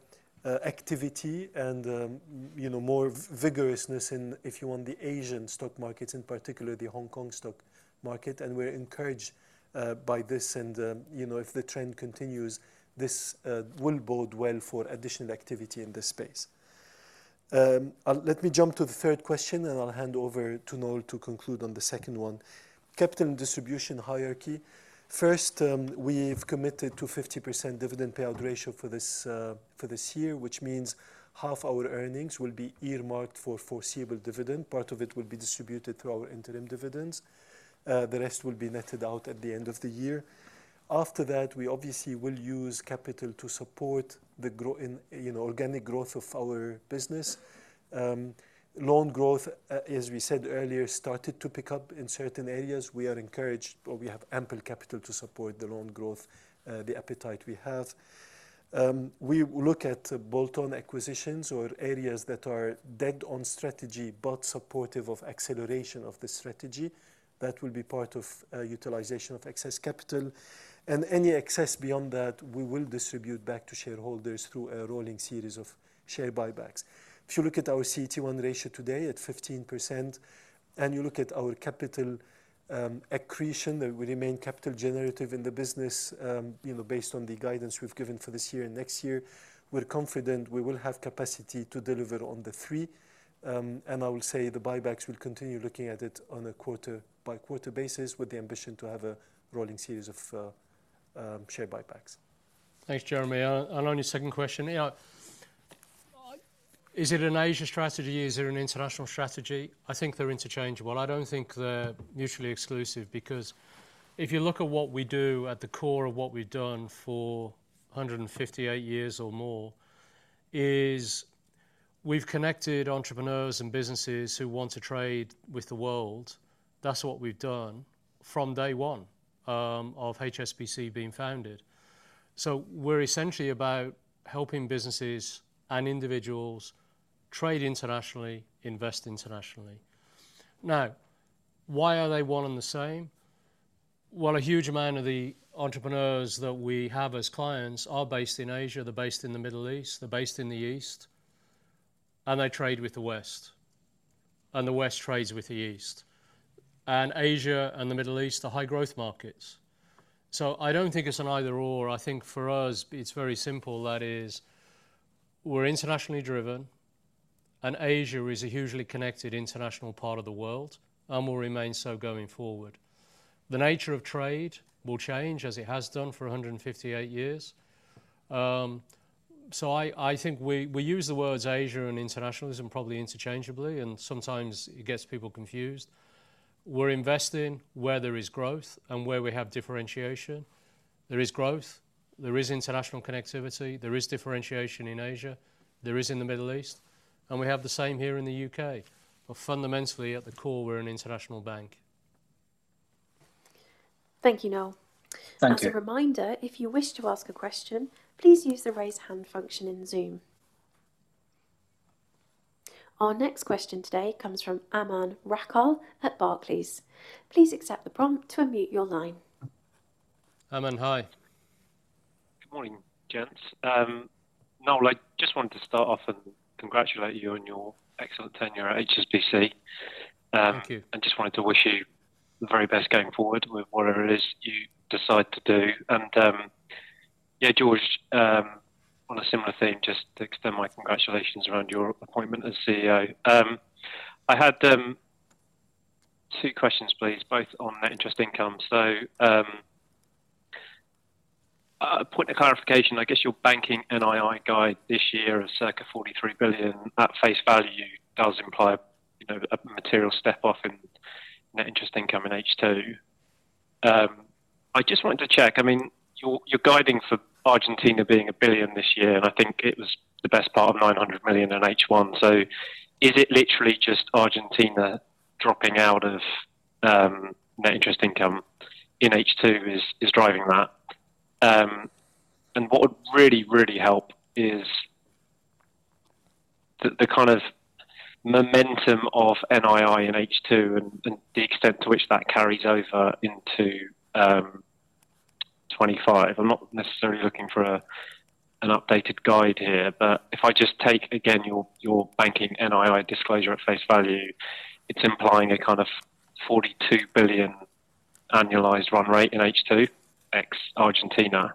[SPEAKER 3] activity and more vigorousness in, if you want, the Asian stock markets, in particular the Hong Kong stock market. And we're encouraged by this. And if the trend continues, this will bode well for additional activity in this space. Let me jump to the third question, and I'll hand over to Noel to conclude on the second one. Capital and distribution hierarchy. First, we've committed to a 50% dividend payout ratio for this year, which means half our earnings will be earmarked for foreseeable dividend. Part of it will be distributed through our interim dividends. The rest will be netted out at the end of the year. After that, we obviously will use capital to support the organic growth of our business. Loan growth, as we said earlier, started to pick up in certain areas. We are encouraged, or we have ample capital to support the loan growth, the appetite we have. We look at bolt-on acquisitions or areas that are dead on strategy but supportive of acceleration of the strategy. That will be part of utilization of excess capital. Any excess beyond that, we will distribute back to shareholders through a rolling series of share buybacks. If you look at our CET1 ratio today at 15%, and you look at our capital accretion, we remain capital generative in the business based on the guidance we've given for this year and next year. We're confident we will have capacity to deliver on the three. I will say the buybacks will continue looking at it on a quarter-by-quarter basis with the ambition to have a rolling series of share buybacks.
[SPEAKER 2] Thanks, Jeremy. Only second question. Is it an Asia strategy? Is it an international strategy? I think they're interchangeable. I don't think they're mutually exclusive because if you look at what we do at the core of what we've done for 158 years or more is we've connected entrepreneurs and businesses who want to trade with the world. That's what we've done from day one of HSBC being founded. So we're essentially about helping businesses and individuals trade internationally, invest internationally. Now, why are they one and the same? Well, a huge amount of the entrepreneurs that we have as clients are based in Asia. They're based in the Middle East. They're based in the East. And they trade with the West. And the West trades with the East. And Asia and the Middle East are high-growth markets. So I don't think it's an either/or. I think for us, it's very simple. That is, we're internationally driven, and Asia is a hugely connected international part of the world, and we'll remain so going forward. The nature of trade will change as it has done for 158 years. So I think we use the words Asia and internationalism probably interchangeably, and sometimes it gets people confused. We're investing where there is growth and where we have differentiation. There is growth. There is international connectivity. There is differentiation in Asia. There is in the Middle East. And we have the same here in the U.K. But fundamentally, at the core, we're an international bank.
[SPEAKER 1] Thank you, Noel.
[SPEAKER 3] Thank you.
[SPEAKER 1] As a reminder, if you wish to ask a question, please use the raise hand function in Zoom. Our next question today comes from Aman Rakkar at Barclays. Please accept the prompt to unmute your line.
[SPEAKER 3] Amman, hi.
[SPEAKER 9] Good morning, gents. Noel, I just wanted to start off and congratulate you on your excellent tenure at HSBC.
[SPEAKER 2] Thank you.
[SPEAKER 9] Just wanted to wish you the very best going forward with whatever it is you decide to do. Yeah, George, on a similar theme, just to extend my congratulations around your appointment as CEO. I had two questions, please, both on the interest income. So a point of clarification, I guess your banking NII guide this year of circa $43 billion at face value does imply a material step-off in interest income in H2. I just wanted to check. I mean, you're guiding for Argentina being $1 billion this year, and I think it was the best part of $900 million in H1. So is it literally just Argentina dropping out of interest income in H2 is driving that? What would really, really help is the kind of momentum of NII in H2 and the extent to which that carries over into 2025. I'm not necessarily looking for an updated guide here, but if I just take, again, your Banking NII disclosure at face value, it's implying a kind of $42 billion annualized run rate in H2 ex-Argentina.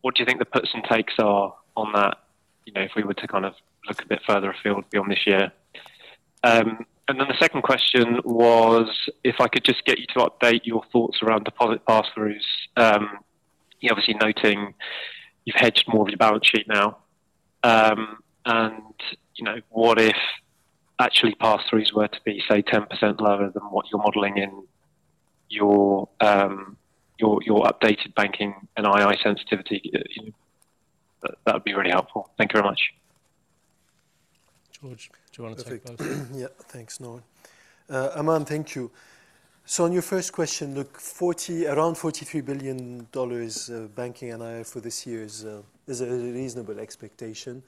[SPEAKER 9] What do you think the puts and takes are on that if we were to kind of look a bit further afield beyond this year? And then the second question was if I could just get you to update your thoughts around deposit pass-throughs, obviously noting you've hedged more of your balance sheet now. And what if actually pass-throughs were to be, say, 10% lower than what you're modeling in your updated Banking NII sensitivity? That would be really helpful. Thank you very much.
[SPEAKER 2] George, do you want to take both?
[SPEAKER 3] Yeah, thanks, Noel. Aman, thank you. So on your first question, around $43 billion banking NII for this year is a reasonable expectation.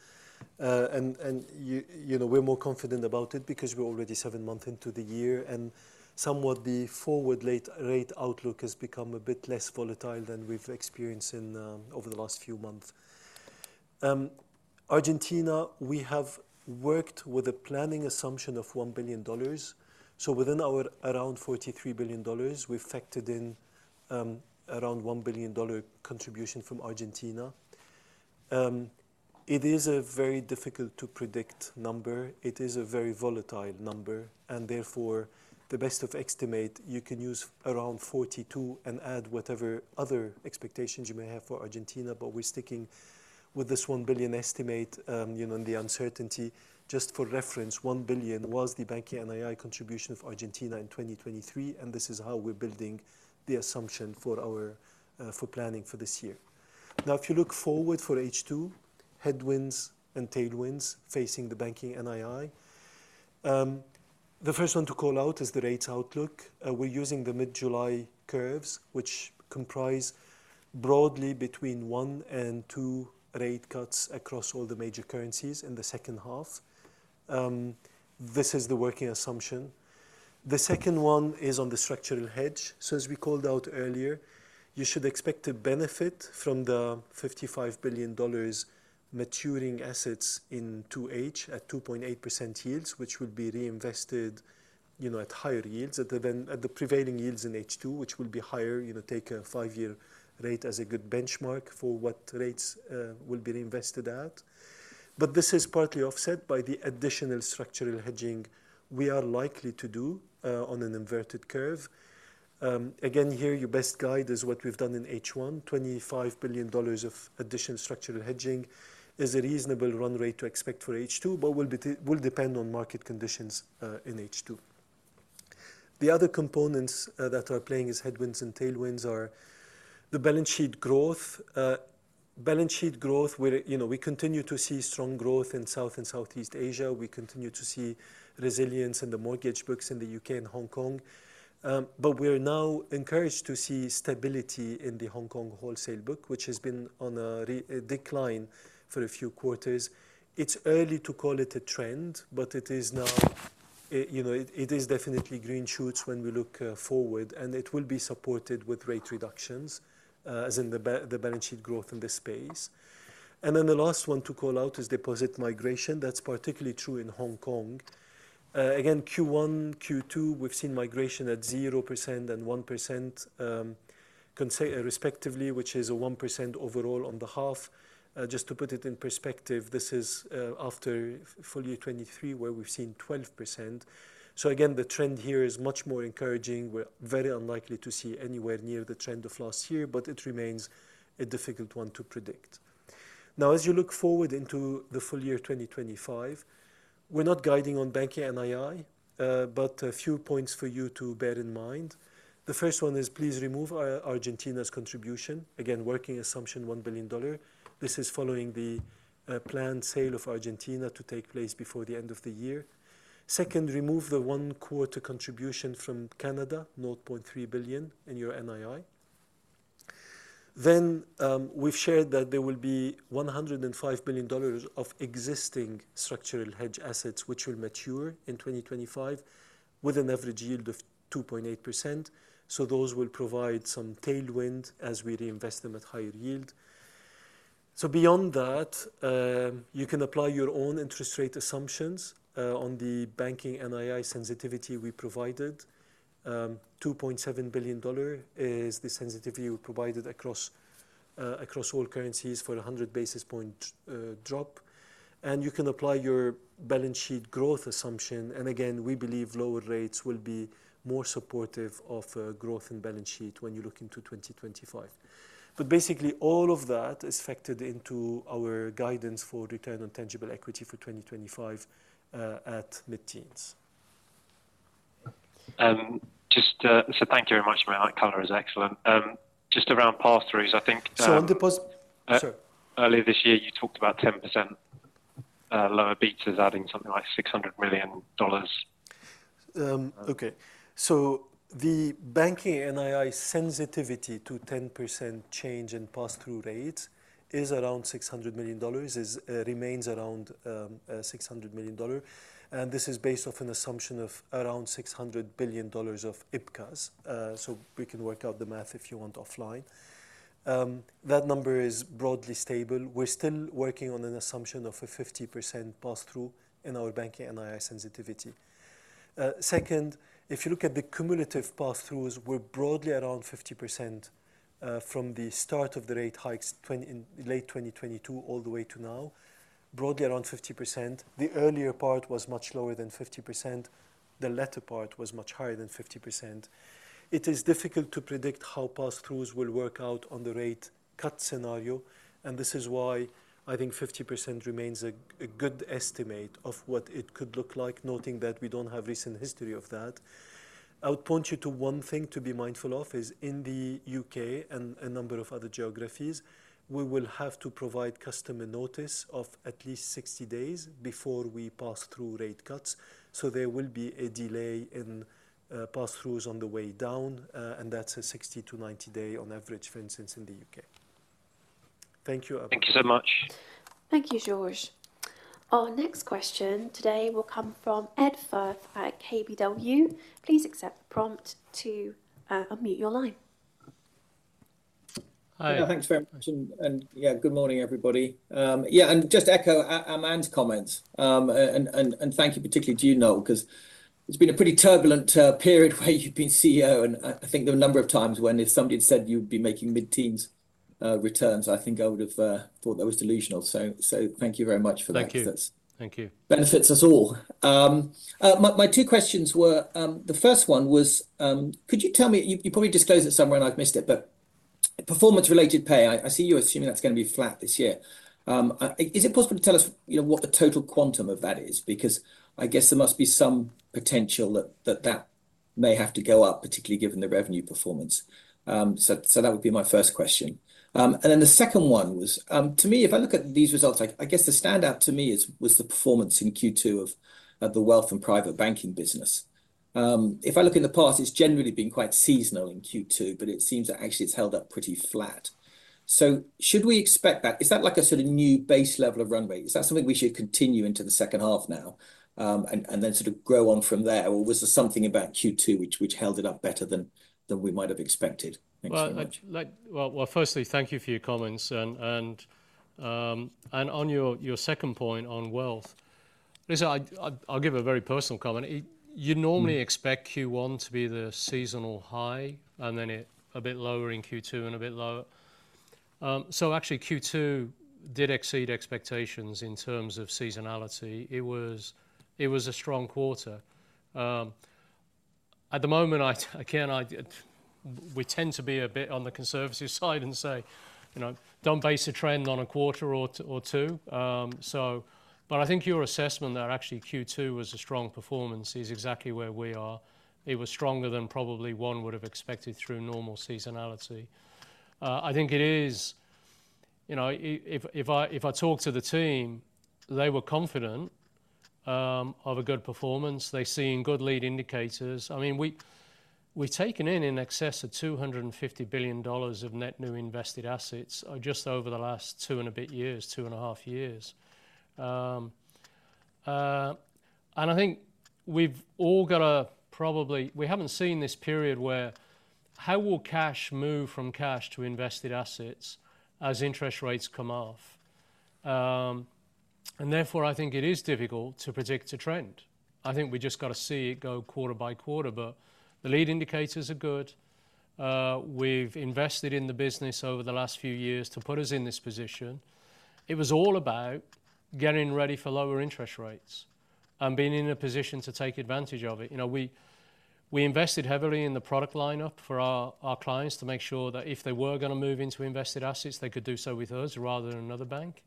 [SPEAKER 3] And we're more confident about it because we're already seven months into the year, and somewhat the forward rate outlook has become a bit less volatile than we've experienced over the last few months. Argentina, we have worked with a planning assumption of $1 billion. So within our around $43 billion, we've factored in around $1 billion contribution from Argentina. It is a very difficult-to-predict number. It is a very volatile number. And therefore, the best estimate, you can use around $42 billion and add whatever other expectations you may have for Argentina, but we're sticking with this $1 billion estimate in the uncertainty. Just for reference, $1 billion was the banking NII contribution of Argentina in 2023, and this is how we're building the assumption for planning for this year. Now, if you look forward for H2, headwinds and tailwinds facing the banking NII, the first one to call out is the rates outlook. We're using the mid-July curves, which comprise broadly between one and two rate cuts across all the major currencies in the second half. This is the working assumption. The second one is on the structural hedge. So as we called out earlier, you should expect to benefit from the $55 billion maturing assets in 2H at 2.8% yields, which will be reinvested at higher yields than the prevailing yields in H2, which will be higher. Take a five-year rate as a good benchmark for what rates will be reinvested at. But this is partly offset by the additional structural hedging we are likely to do on an inverted curve. Again, here, your best guide is what we've done in H1. $25 billion of additional structural hedging is a reasonable run rate to expect for H2, but will depend on market conditions in H2. The other components that are playing as headwinds and tailwinds are the balance sheet growth. Balance sheet growth, we continue to see strong growth in South and Southeast Asia. We continue to see resilience in the mortgage books in the U.K. and Hong Kong. But we're now encouraged to see stability in the Hong Kong wholesale book, which has been on a decline for a few quarters. It's early to call it a trend, but it is now, it is definitely green shoots when we look forward, and it will be supported with rate reductions, as in the balance sheet growth in this space. And then the last one to call out is deposit migration. That's particularly true in Hong Kong. Again, Q1, Q2, we've seen migration at 0% and 1% respectively, which is a 1% overall on the half. Just to put it in perspective, this is after full year 2023, where we've seen 12%. So again, the trend here is much more encouraging. We're very unlikely to see anywhere near the trend of last year, but it remains a difficult one to predict. Now, as you look forward into the full year 2025, we're not guiding on Banking NII, but a few points for you to bear in mind. The first one is please remove Argentina's contribution. Again, working assumption, $1 billion. This is following the planned sale of Argentina to take place before the end of the year. Second, remove the one-quarter contribution from Canada, $0.3 billion in your NII. Then we've shared that there will be $105 billion of existing structural hedge assets, which will mature in 2025 with an average yield of 2.8%. So those will provide some tailwind as we reinvest them at higher yield. So beyond that, you can apply your own interest rate assumptions on the banking NII sensitivity we provided. $2.7 billion is the sensitivity we provided across all currencies for a 100 basis points drop. And you can apply your balance sheet growth assumption. And again, we believe lower rates will be more supportive of growth in balance sheet when you look into 2025. Basically, all of that is factored into our guidance for return on tangible equity for 2025 at mid-teens.
[SPEAKER 2] Just to thank you very much, Aman. Color is excellent. Just around pass-throughs, I think.
[SPEAKER 9] On deposit, sir.
[SPEAKER 2] Earlier this year, you talked about 10% lower beats as adding something like $600 million.
[SPEAKER 3] Okay. So the banking NII sensitivity to 10% change in pass-through rates is around $600 million, remains around $600 million. And this is based off an assumption of around $600 billion of IPCAS. So we can work out the math if you want offline. That number is broadly stable. We're still working on an assumption of a 50% pass-through in our banking NII sensitivity. Second, if you look at the cumulative pass-throughs, we're broadly around 50% from the start of the rate hikes in late 2022 all the way to now, broadly around 50%. The earlier part was much lower than 50%. The latter part was much higher than 50%. It is difficult to predict how pass-throughs will work out on the rate cut scenario. This is why I think 50% remains a good estimate of what it could look like, noting that we don't have recent history of that. I would point you to one thing to be mindful of is in the U.K. and a number of other geographies, we will have to provide customer notice of at least 60 days before we pass through rate cuts. There will be a delay in pass-throughs on the way down. That's a 60-90-day on average, for instance, in the U.K. Thank you.
[SPEAKER 9] Thank you so much.
[SPEAKER 1] Thank you, George. Our next question today will come from Ed Firth at KBW. Please accept the prompt to unmute your line.
[SPEAKER 3] Hi.
[SPEAKER 10] Thanks very much. And yeah, good morning, everybody. Yeah, and just echo Aman's comments. And thank you particularly to you, Noel, because it's been a pretty turbulent period where you've been CEO. And I think there were a number of times when if somebody had said you'd be making mid-teens returns, I think I would have thought that was delusional. So thank you very much for that.
[SPEAKER 2] Thank you.
[SPEAKER 10] Benefits us all. My two questions were, the first one was, could you tell me, you probably disclosed it somewhere and I've missed it, but performance-related pay. I see you're assuming that's going to be flat this year. Is it possible to tell us what the total quantum of that is? Because I guess there must be some potential that that may have to go up, particularly given the revenue performance. So that would be my first question. And then the second one was, to me, if I look at these results, I guess the standout to me was the performance in Q2 of the wealth and private banking business. If I look in the past, it's generally been quite seasonal in Q2, but it seems that actually it's held up pretty flat. So should we expect that? Is that like a sort of new base level of run rate? Is that something we should continue into the second half now and then sort of grow on from there? Or was there something about Q2 which held it up better than we might have expected?
[SPEAKER 2] Well, firstly, thank you for your comments. And on your second point on wealth, I'll give a very personal comment. You normally expect Q1 to be the seasonal high and then a bit lower in Q2 and a bit lower. So actually, Q2 did exceed expectations in terms of seasonality. It was a strong quarter. At the moment, we tend to be a bit on the conservative side and say, don't base a trend on a quarter or two. But I think your assessment that actually Q2 was a strong performance is exactly where we are. It was stronger than probably one would have expected through normal seasonality. I think it is. If I talk to the team, they were confident of a good performance. They see good lead indicators. I mean, we've taken in excess of $250 billion of net new invested assets just over the last 2 and a bit years, 2 and a half years. I think we've all got to probably, we haven't seen this period where how will cash move from cash to invested assets as interest rates come off? Therefore, I think it is difficult to predict a trend. I think we just got to see it go quarter by quarter. The lead indicators are good. We've invested in the business over the last few years to put us in this position. It was all about getting ready for lower interest rates and being in a position to take advantage of it. We invested heavily in the product lineup for our clients to make sure that if they were going to move into invested assets, they could do so with us rather than another bank.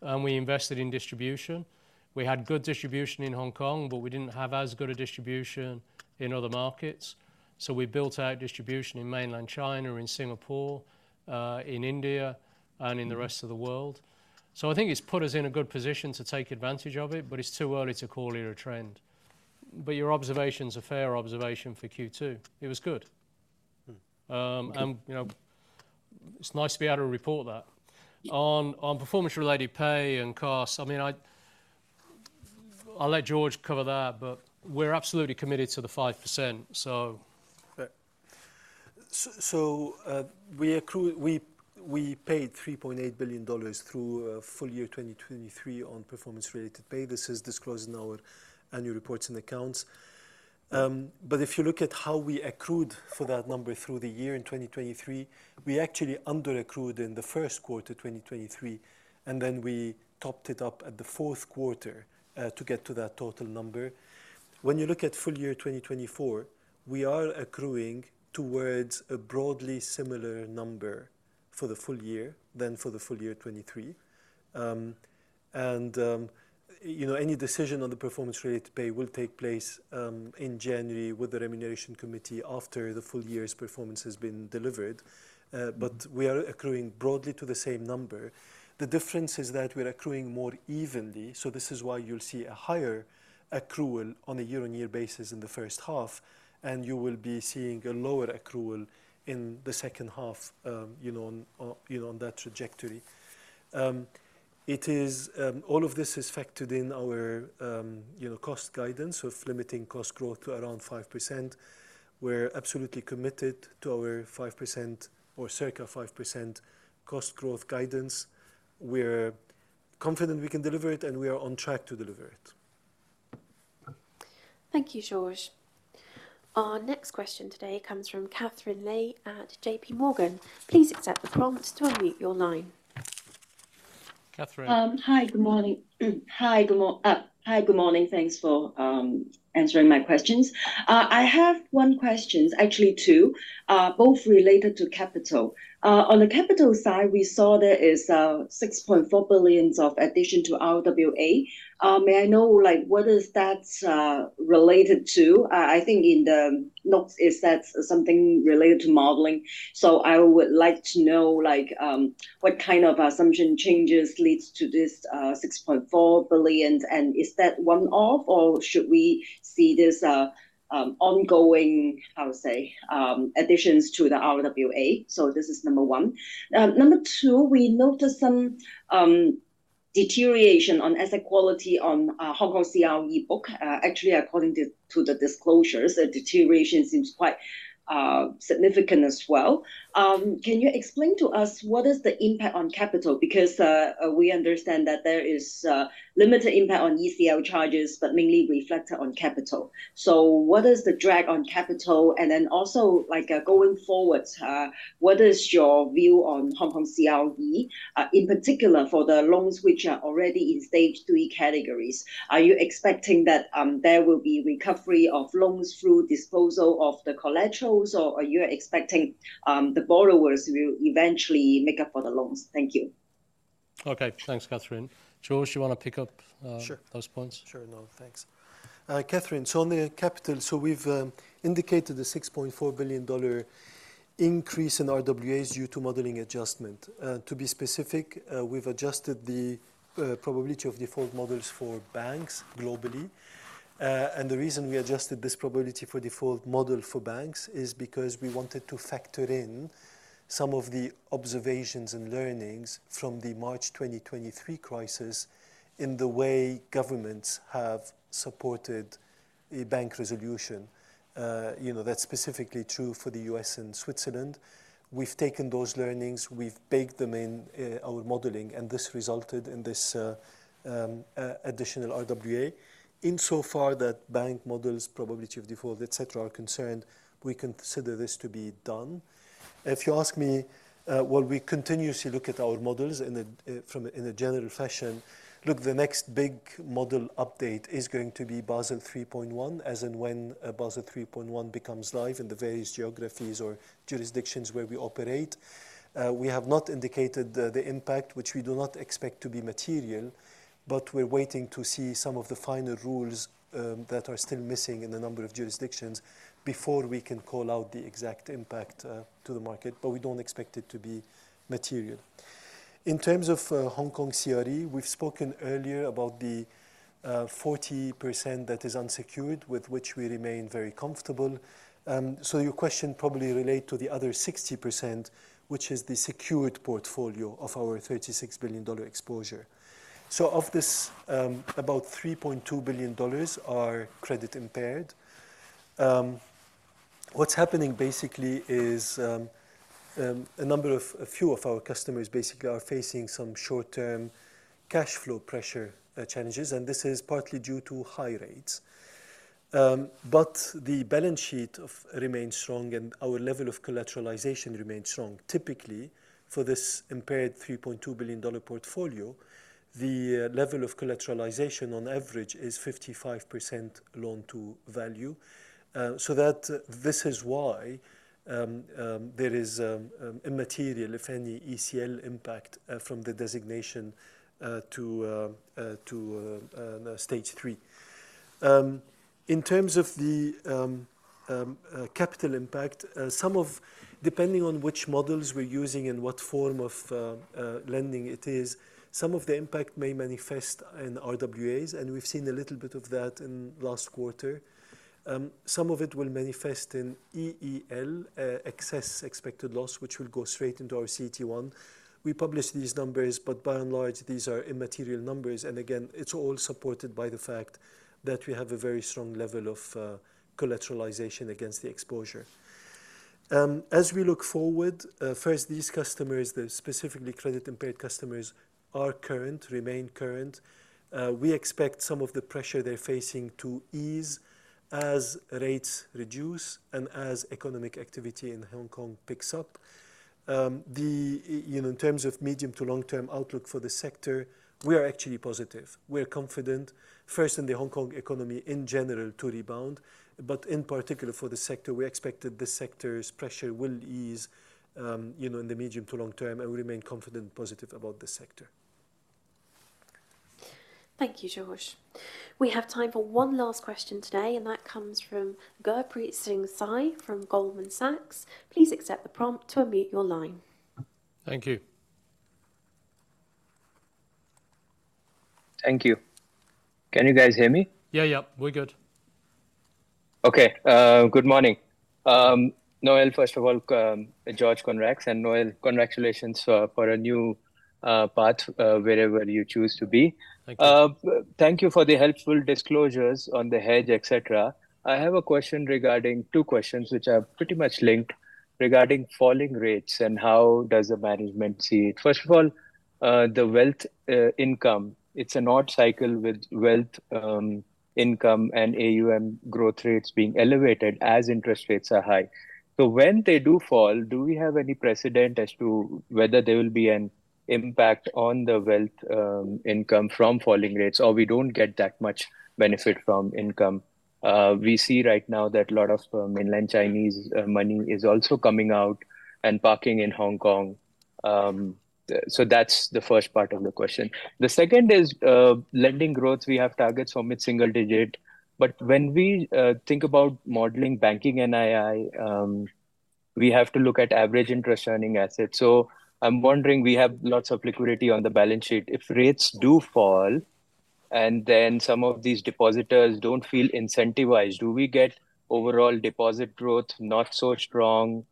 [SPEAKER 2] We invested in distribution. We had good distribution in Hong Kong, but we didn't have as good a distribution in other markets. We built out distribution in Mainland China, in Singapore, in India, and in the rest of the world. I think it's put us in a good position to take advantage of it, but it's too early to call it a trend. Your observation is a fair observation for Q2. It was good. It's nice to be able to report that. On performance-related pay and costs, I mean, I'll let George cover that, but we're absolutely committed to the 5%, so.
[SPEAKER 3] We accrued, we paid $3.8 billion through full year 2023 on performance-related pay. This is disclosed in our annual reports and accounts. If you look at how we accrued for that number through the year in 2023, we actually under-accrued in the first quarter 2023, and then we topped it up at the fourth quarter to get to that total number. When you look at full year 2024, we are accruing towards a broadly similar number for the full year than for the full year 2023. Any decision on the performance-related pay will take place in January with the Remuneration Committee after the full year's performance has been delivered. We are accruing broadly to the same number. The difference is that we're accruing more evenly. This is why you'll see a higher accrual on a year-on-year basis in the first half, and you will be seeing a lower accrual in the second half on that trajectory. All of this is factored in our cost guidance of limiting cost growth to around 5%. We're absolutely committed to our 5% or circa 5% cost growth guidance. We're confident we can deliver it, and we are on track to deliver it.
[SPEAKER 1] Thank you, George. Our next question today comes from Katherine Lei at JPMorgan. Please accept the prompt to unmute your line. Catherine.
[SPEAKER 11] Hi, good morning. Hi, good morning. Thanks for answering my questions. I have one question, actually two, both related to capital. On the capital side, we saw there is $6.4 billion of addition to RWA. May I know what is that related to? I think in the notes is that something related to modeling. So I would like to know what kind of assumption changes leads to this $6.4 billion. And is that one off, or should we see this ongoing, I would say, additions to the RWA? So this is number one. Number two, we noticed some deterioration on asset quality on Hong Kong CRE book. Actually, according to the disclosures, the deterioration seems quite significant as well. Can you explain to us what is the impact on capital? Because we understand that there is limited impact on ECL charges, but mainly reflected on capital. What is the drag on capital? Then also going forward, what is your view on Hong Kong CRE, in particular for the loans which are already in Stage 3 categories? Are you expecting that there will be recovery of loans through disposal of the collaterals, or are you expecting the borrowers will eventually make up for the loans? Thank you.
[SPEAKER 2] Okay, thanks, Katherine. George, you want to pick up those points?
[SPEAKER 3] Sure, Noel, thanks. Katherine, so on the capital, so we've indicated the $6.4 billion increase in RWAs due to modeling adjustment. To be specific, we've adjusted the probability of default models for banks globally. And the reason we adjusted this probability for default model for banks is because we wanted to factor in some of the observations and learnings from the March 2023 crisis in the way governments have supported a bank resolution. That's specifically true for the U.S. and Switzerland. We've taken those learnings, we've baked them in our modeling, and this resulted in this additional RWA. Insofar as bank models, probability of default, etc., are concerned, we consider this to be done. If you ask me, well, we continuously look at our models in a general fashion. Look, the next big model update is going to be Basel 3.1, as in when Basel 3.1 becomes live in the various geographies or jurisdictions where we operate. We have not indicated the impact, which we do not expect to be material, but we're waiting to see some of the finer rules that are still missing in a number of jurisdictions before we can call out the exact impact to the market. But we don't expect it to be material. In terms of Hong Kong CRE, we've spoken earlier about the 40% that is unsecured, with which we remain very comfortable. So your question probably relates to the other 60%, which is the secured portfolio of our $36 billion exposure. So of this, about $3.2 billion are credit impaired. What's happening basically is a number of few of our customers basically are facing some short-term cash flow pressure challenges, and this is partly due to high rates. But the balance sheet remains strong, and our level of collateralization remains strong. Typically, for this impaired $3.2 billion portfolio, the level of collateralization on average is 55% loan to value. So this is why there is immaterial, if any, ECL impact from the designation to stage three. In terms of the capital impact, depending on which models we're using and what form of lending it is, some of the impact may manifest in RWAs, and we've seen a little bit of that in last quarter. Some of it will manifest in ECL, excess expected loss, which will go straight into our CET1. We publish these numbers, but by and large, these are immaterial numbers. And again, it's all supported by the fact that we have a very strong level of collateralization against the exposure. As we look forward, first, these customers, specifically credit impaired customers, are current, remain current. We expect some of the pressure they're facing to ease as rates reduce and as economic activity in Hong Kong picks up. In terms of medium to long-term outlook for the sector, we are actually positive. We're confident, first, in the Hong Kong economy in general to rebound, but in particular for the sector, we expect that the sector's pressure will ease in the medium to long term, and we remain confident and positive about the sector.
[SPEAKER 1] Thank you, George. We have time for one last question today, and that comes from Gurpreet Singh Sahi from Goldman Sachs. Please accept the prompt to unmute your line.
[SPEAKER 3] Thank you.
[SPEAKER 12] Thank you. Can you guys hear me?
[SPEAKER 3] Yeah, yeah, we're good.
[SPEAKER 12] Okay, good morning. Noel, first of all, Georges Elhedery, and Noel, congratulations for a new path wherever you choose to be.
[SPEAKER 2] Thank you.
[SPEAKER 12] Thank you for the helpful disclosures on the hedge, etc. I have a question regarding two questions which are pretty much linked regarding falling rates and how does the management see it. First of all, the wealth income, it's an odd cycle with wealth income and AUM growth rates being elevated as interest rates are high. So when they do fall, do we have any precedent as to whether there will be an impact on the wealth income from falling rates, or we don't get that much benefit from income? We see right now that a lot of Mainland Chinese money is also coming out and parking in Hong Kong. So that's the first part of the question. The second is lending growth. We have targets for mid-single-digit. But when we think about modeling Banking NII, we have to look at average interest earning assets. So I'm wondering, we have lots of liquidity on the balance sheet. If rates do fall and then some of these depositors don't feel incentivized, do we get overall deposit growth not so strong,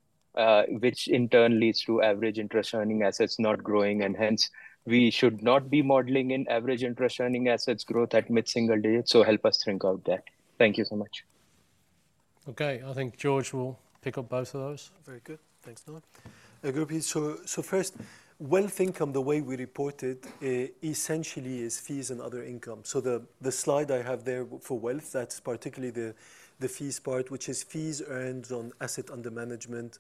[SPEAKER 12] which in turn leads to average interest earning assets not growing? And hence, we should not be modeling in average interest earning assets growth at mid-single digit. So help us think out that. Thank you so much.
[SPEAKER 2] Okay, I think George will pick up both of those.
[SPEAKER 3] Very good. Thanks, Noel. So first, wealth income, the way we report it essentially is fees and other income. So the slide I have there for wealth, that's particularly the fees part, which is fees earned on asset under management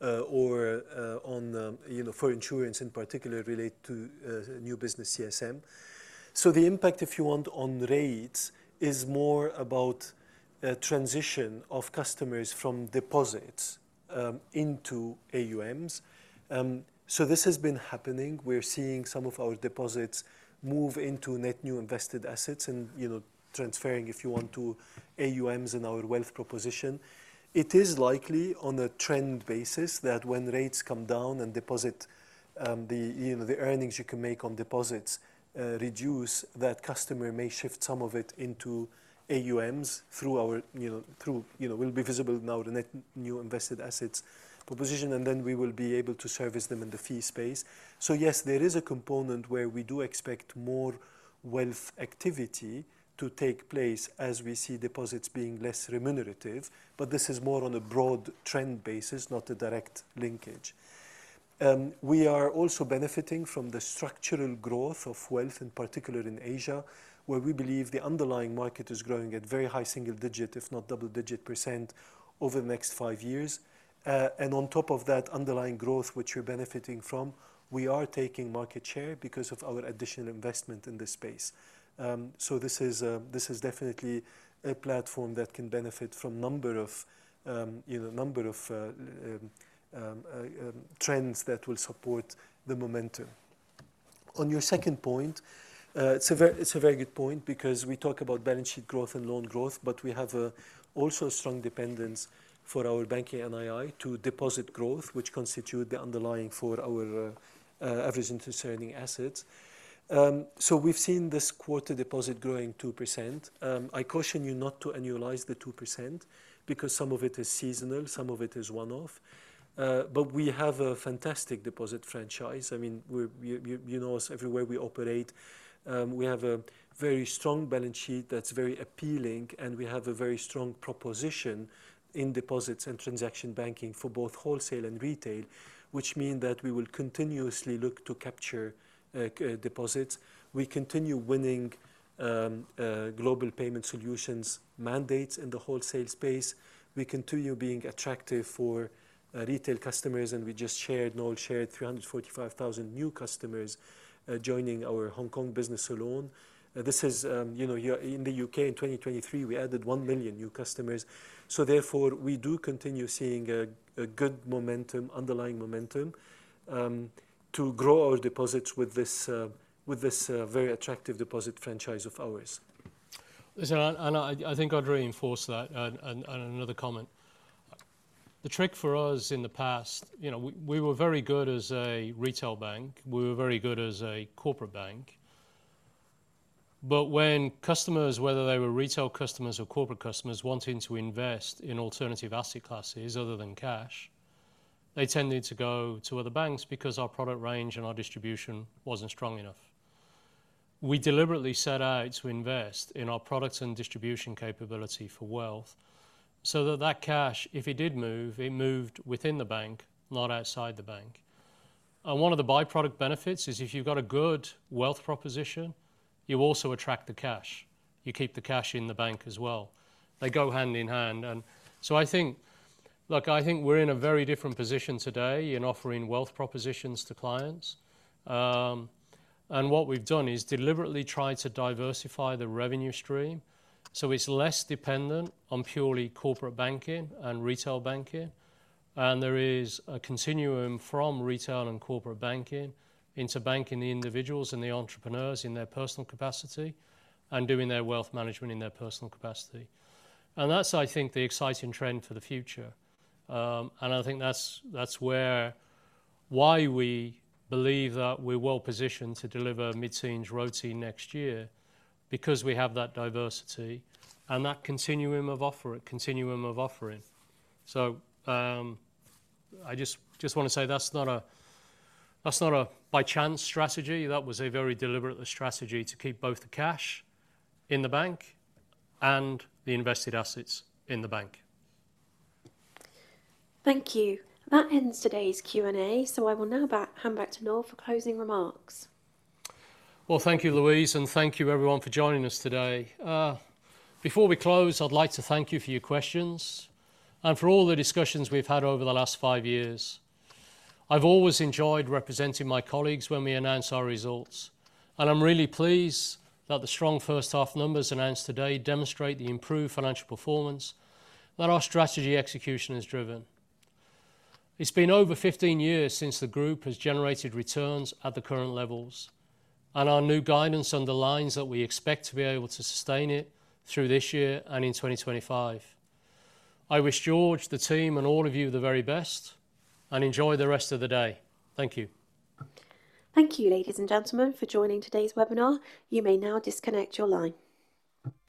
[SPEAKER 3] or for insurance in particular related to new business CSM. So the impact, if you want, on rates is more about transition of customers from deposits into AUMs. So this has been happening. We're seeing some of our deposits move into net new invested assets and transferring, if you want, to AUMs in our wealth proposition. It is likely on a trend basis that when rates come down and deposit, the earnings you can make on deposits reduce, that customer may shift some of it into AUMs through our, will be visible now in the net new invested assets proposition, and then we will be able to service them in the fee space. So yes, there is a component where we do expect more wealth activity to take place as we see deposits being less remunerative, but this is more on a broad trend basis, not a direct linkage. We are also benefiting from the structural growth of wealth, in particular in Asia, where we believe the underlying market is growing at very high single-digit, if not double-digit % over the next five years. And on top of that underlying growth, which we're benefiting from, we are taking market share because of our additional investment in this space. So this is definitely a platform that can benefit from a number of trends that will support the momentum. On your second point, it's a very good point because we talk about balance sheet growth and loan growth, but we have also a strong dependence for our Banking NII to deposit growth, which constitutes the underlying for our average interest earning assets. So we've seen this quarter deposit growing 2%. I caution you not to annualize the 2% because some of it is seasonal, some of it is one-off. But we have a fantastic deposit franchise. I mean, you know us everywhere we operate. We have a very strong balance sheet that's very appealing, and we have a very strong proposition in deposits and transaction banking for both wholesale and retail, which means that we will continuously look to capture deposits. We continue winning Global Payment Solutions mandates in the wholesale space. We continue being attractive for retail customers, and we just shared, Noel shared, 345,000 new customers joining our Hong Kong business alone. This is in the U.K. in 2023, we added 1 million new customers. So therefore, we do continue seeing a good underlying momentum to grow our deposits with this very attractive deposit franchise of ours.
[SPEAKER 2] Listen, and I think I'd reinforce that and another comment. The trick for us in the past, we were very good as a retail bank. We were very good as a corporate bank. But when customers, whether they were retail customers or corporate customers, wanting to invest in alternative asset classes other than cash, they tended to go to other banks because our product range and our distribution wasn't strong enough. We deliberately set out to invest in our products and distribution capability for wealth so that that cash, if it did move, it moved within the bank, not outside the bank. One of the byproduct benefits is if you've got a good wealth proposition, you also attract the cash. You keep the cash in the bank as well. They go hand in hand. So I think, look, I think we're in a very different position today in offering wealth propositions to clients. What we've done is deliberately tried to diversify the revenue stream so it's less dependent on purely corporate banking and retail banking. There is a continuum from retail and corporate banking into banking the individuals and the entrepreneurs in their personal capacity and doing their wealth management in their personal capacity. That's, I think, the exciting trend for the future. I think that's why we believe that we're well positioned to deliver mid-teens ROTE next year because we have that diversity and that continuum of offering. So I just want to say that's not a by chance strategy. That was a very deliberate strategy to keep both the cash in the bank and the invested assets in the bank.
[SPEAKER 1] Thank you. That ends today's Q&A, so I will now hand back to Noel for closing remarks.
[SPEAKER 2] Well, thank you, Louise, and thank you, everyone, for joining us today. Before we close, I'd like to thank you for your questions and for all the discussions we've had over the last five years. I've always enjoyed representing my colleagues when we announce our results, and I'm really pleased that the strong first half numbers announced today demonstrate the improved financial performance that our strategy execution has driven. It's been over 15 years since the group has generated returns at the current levels, and our new guidance underlines that we expect to be able to sustain it through this year and in 2025. I wish George, the team, and all of you the very best and enjoy the rest of the day. Thank you.
[SPEAKER 1] Thank you, ladies and gentlemen, for joining today's webinar. You may now disconnect your linefive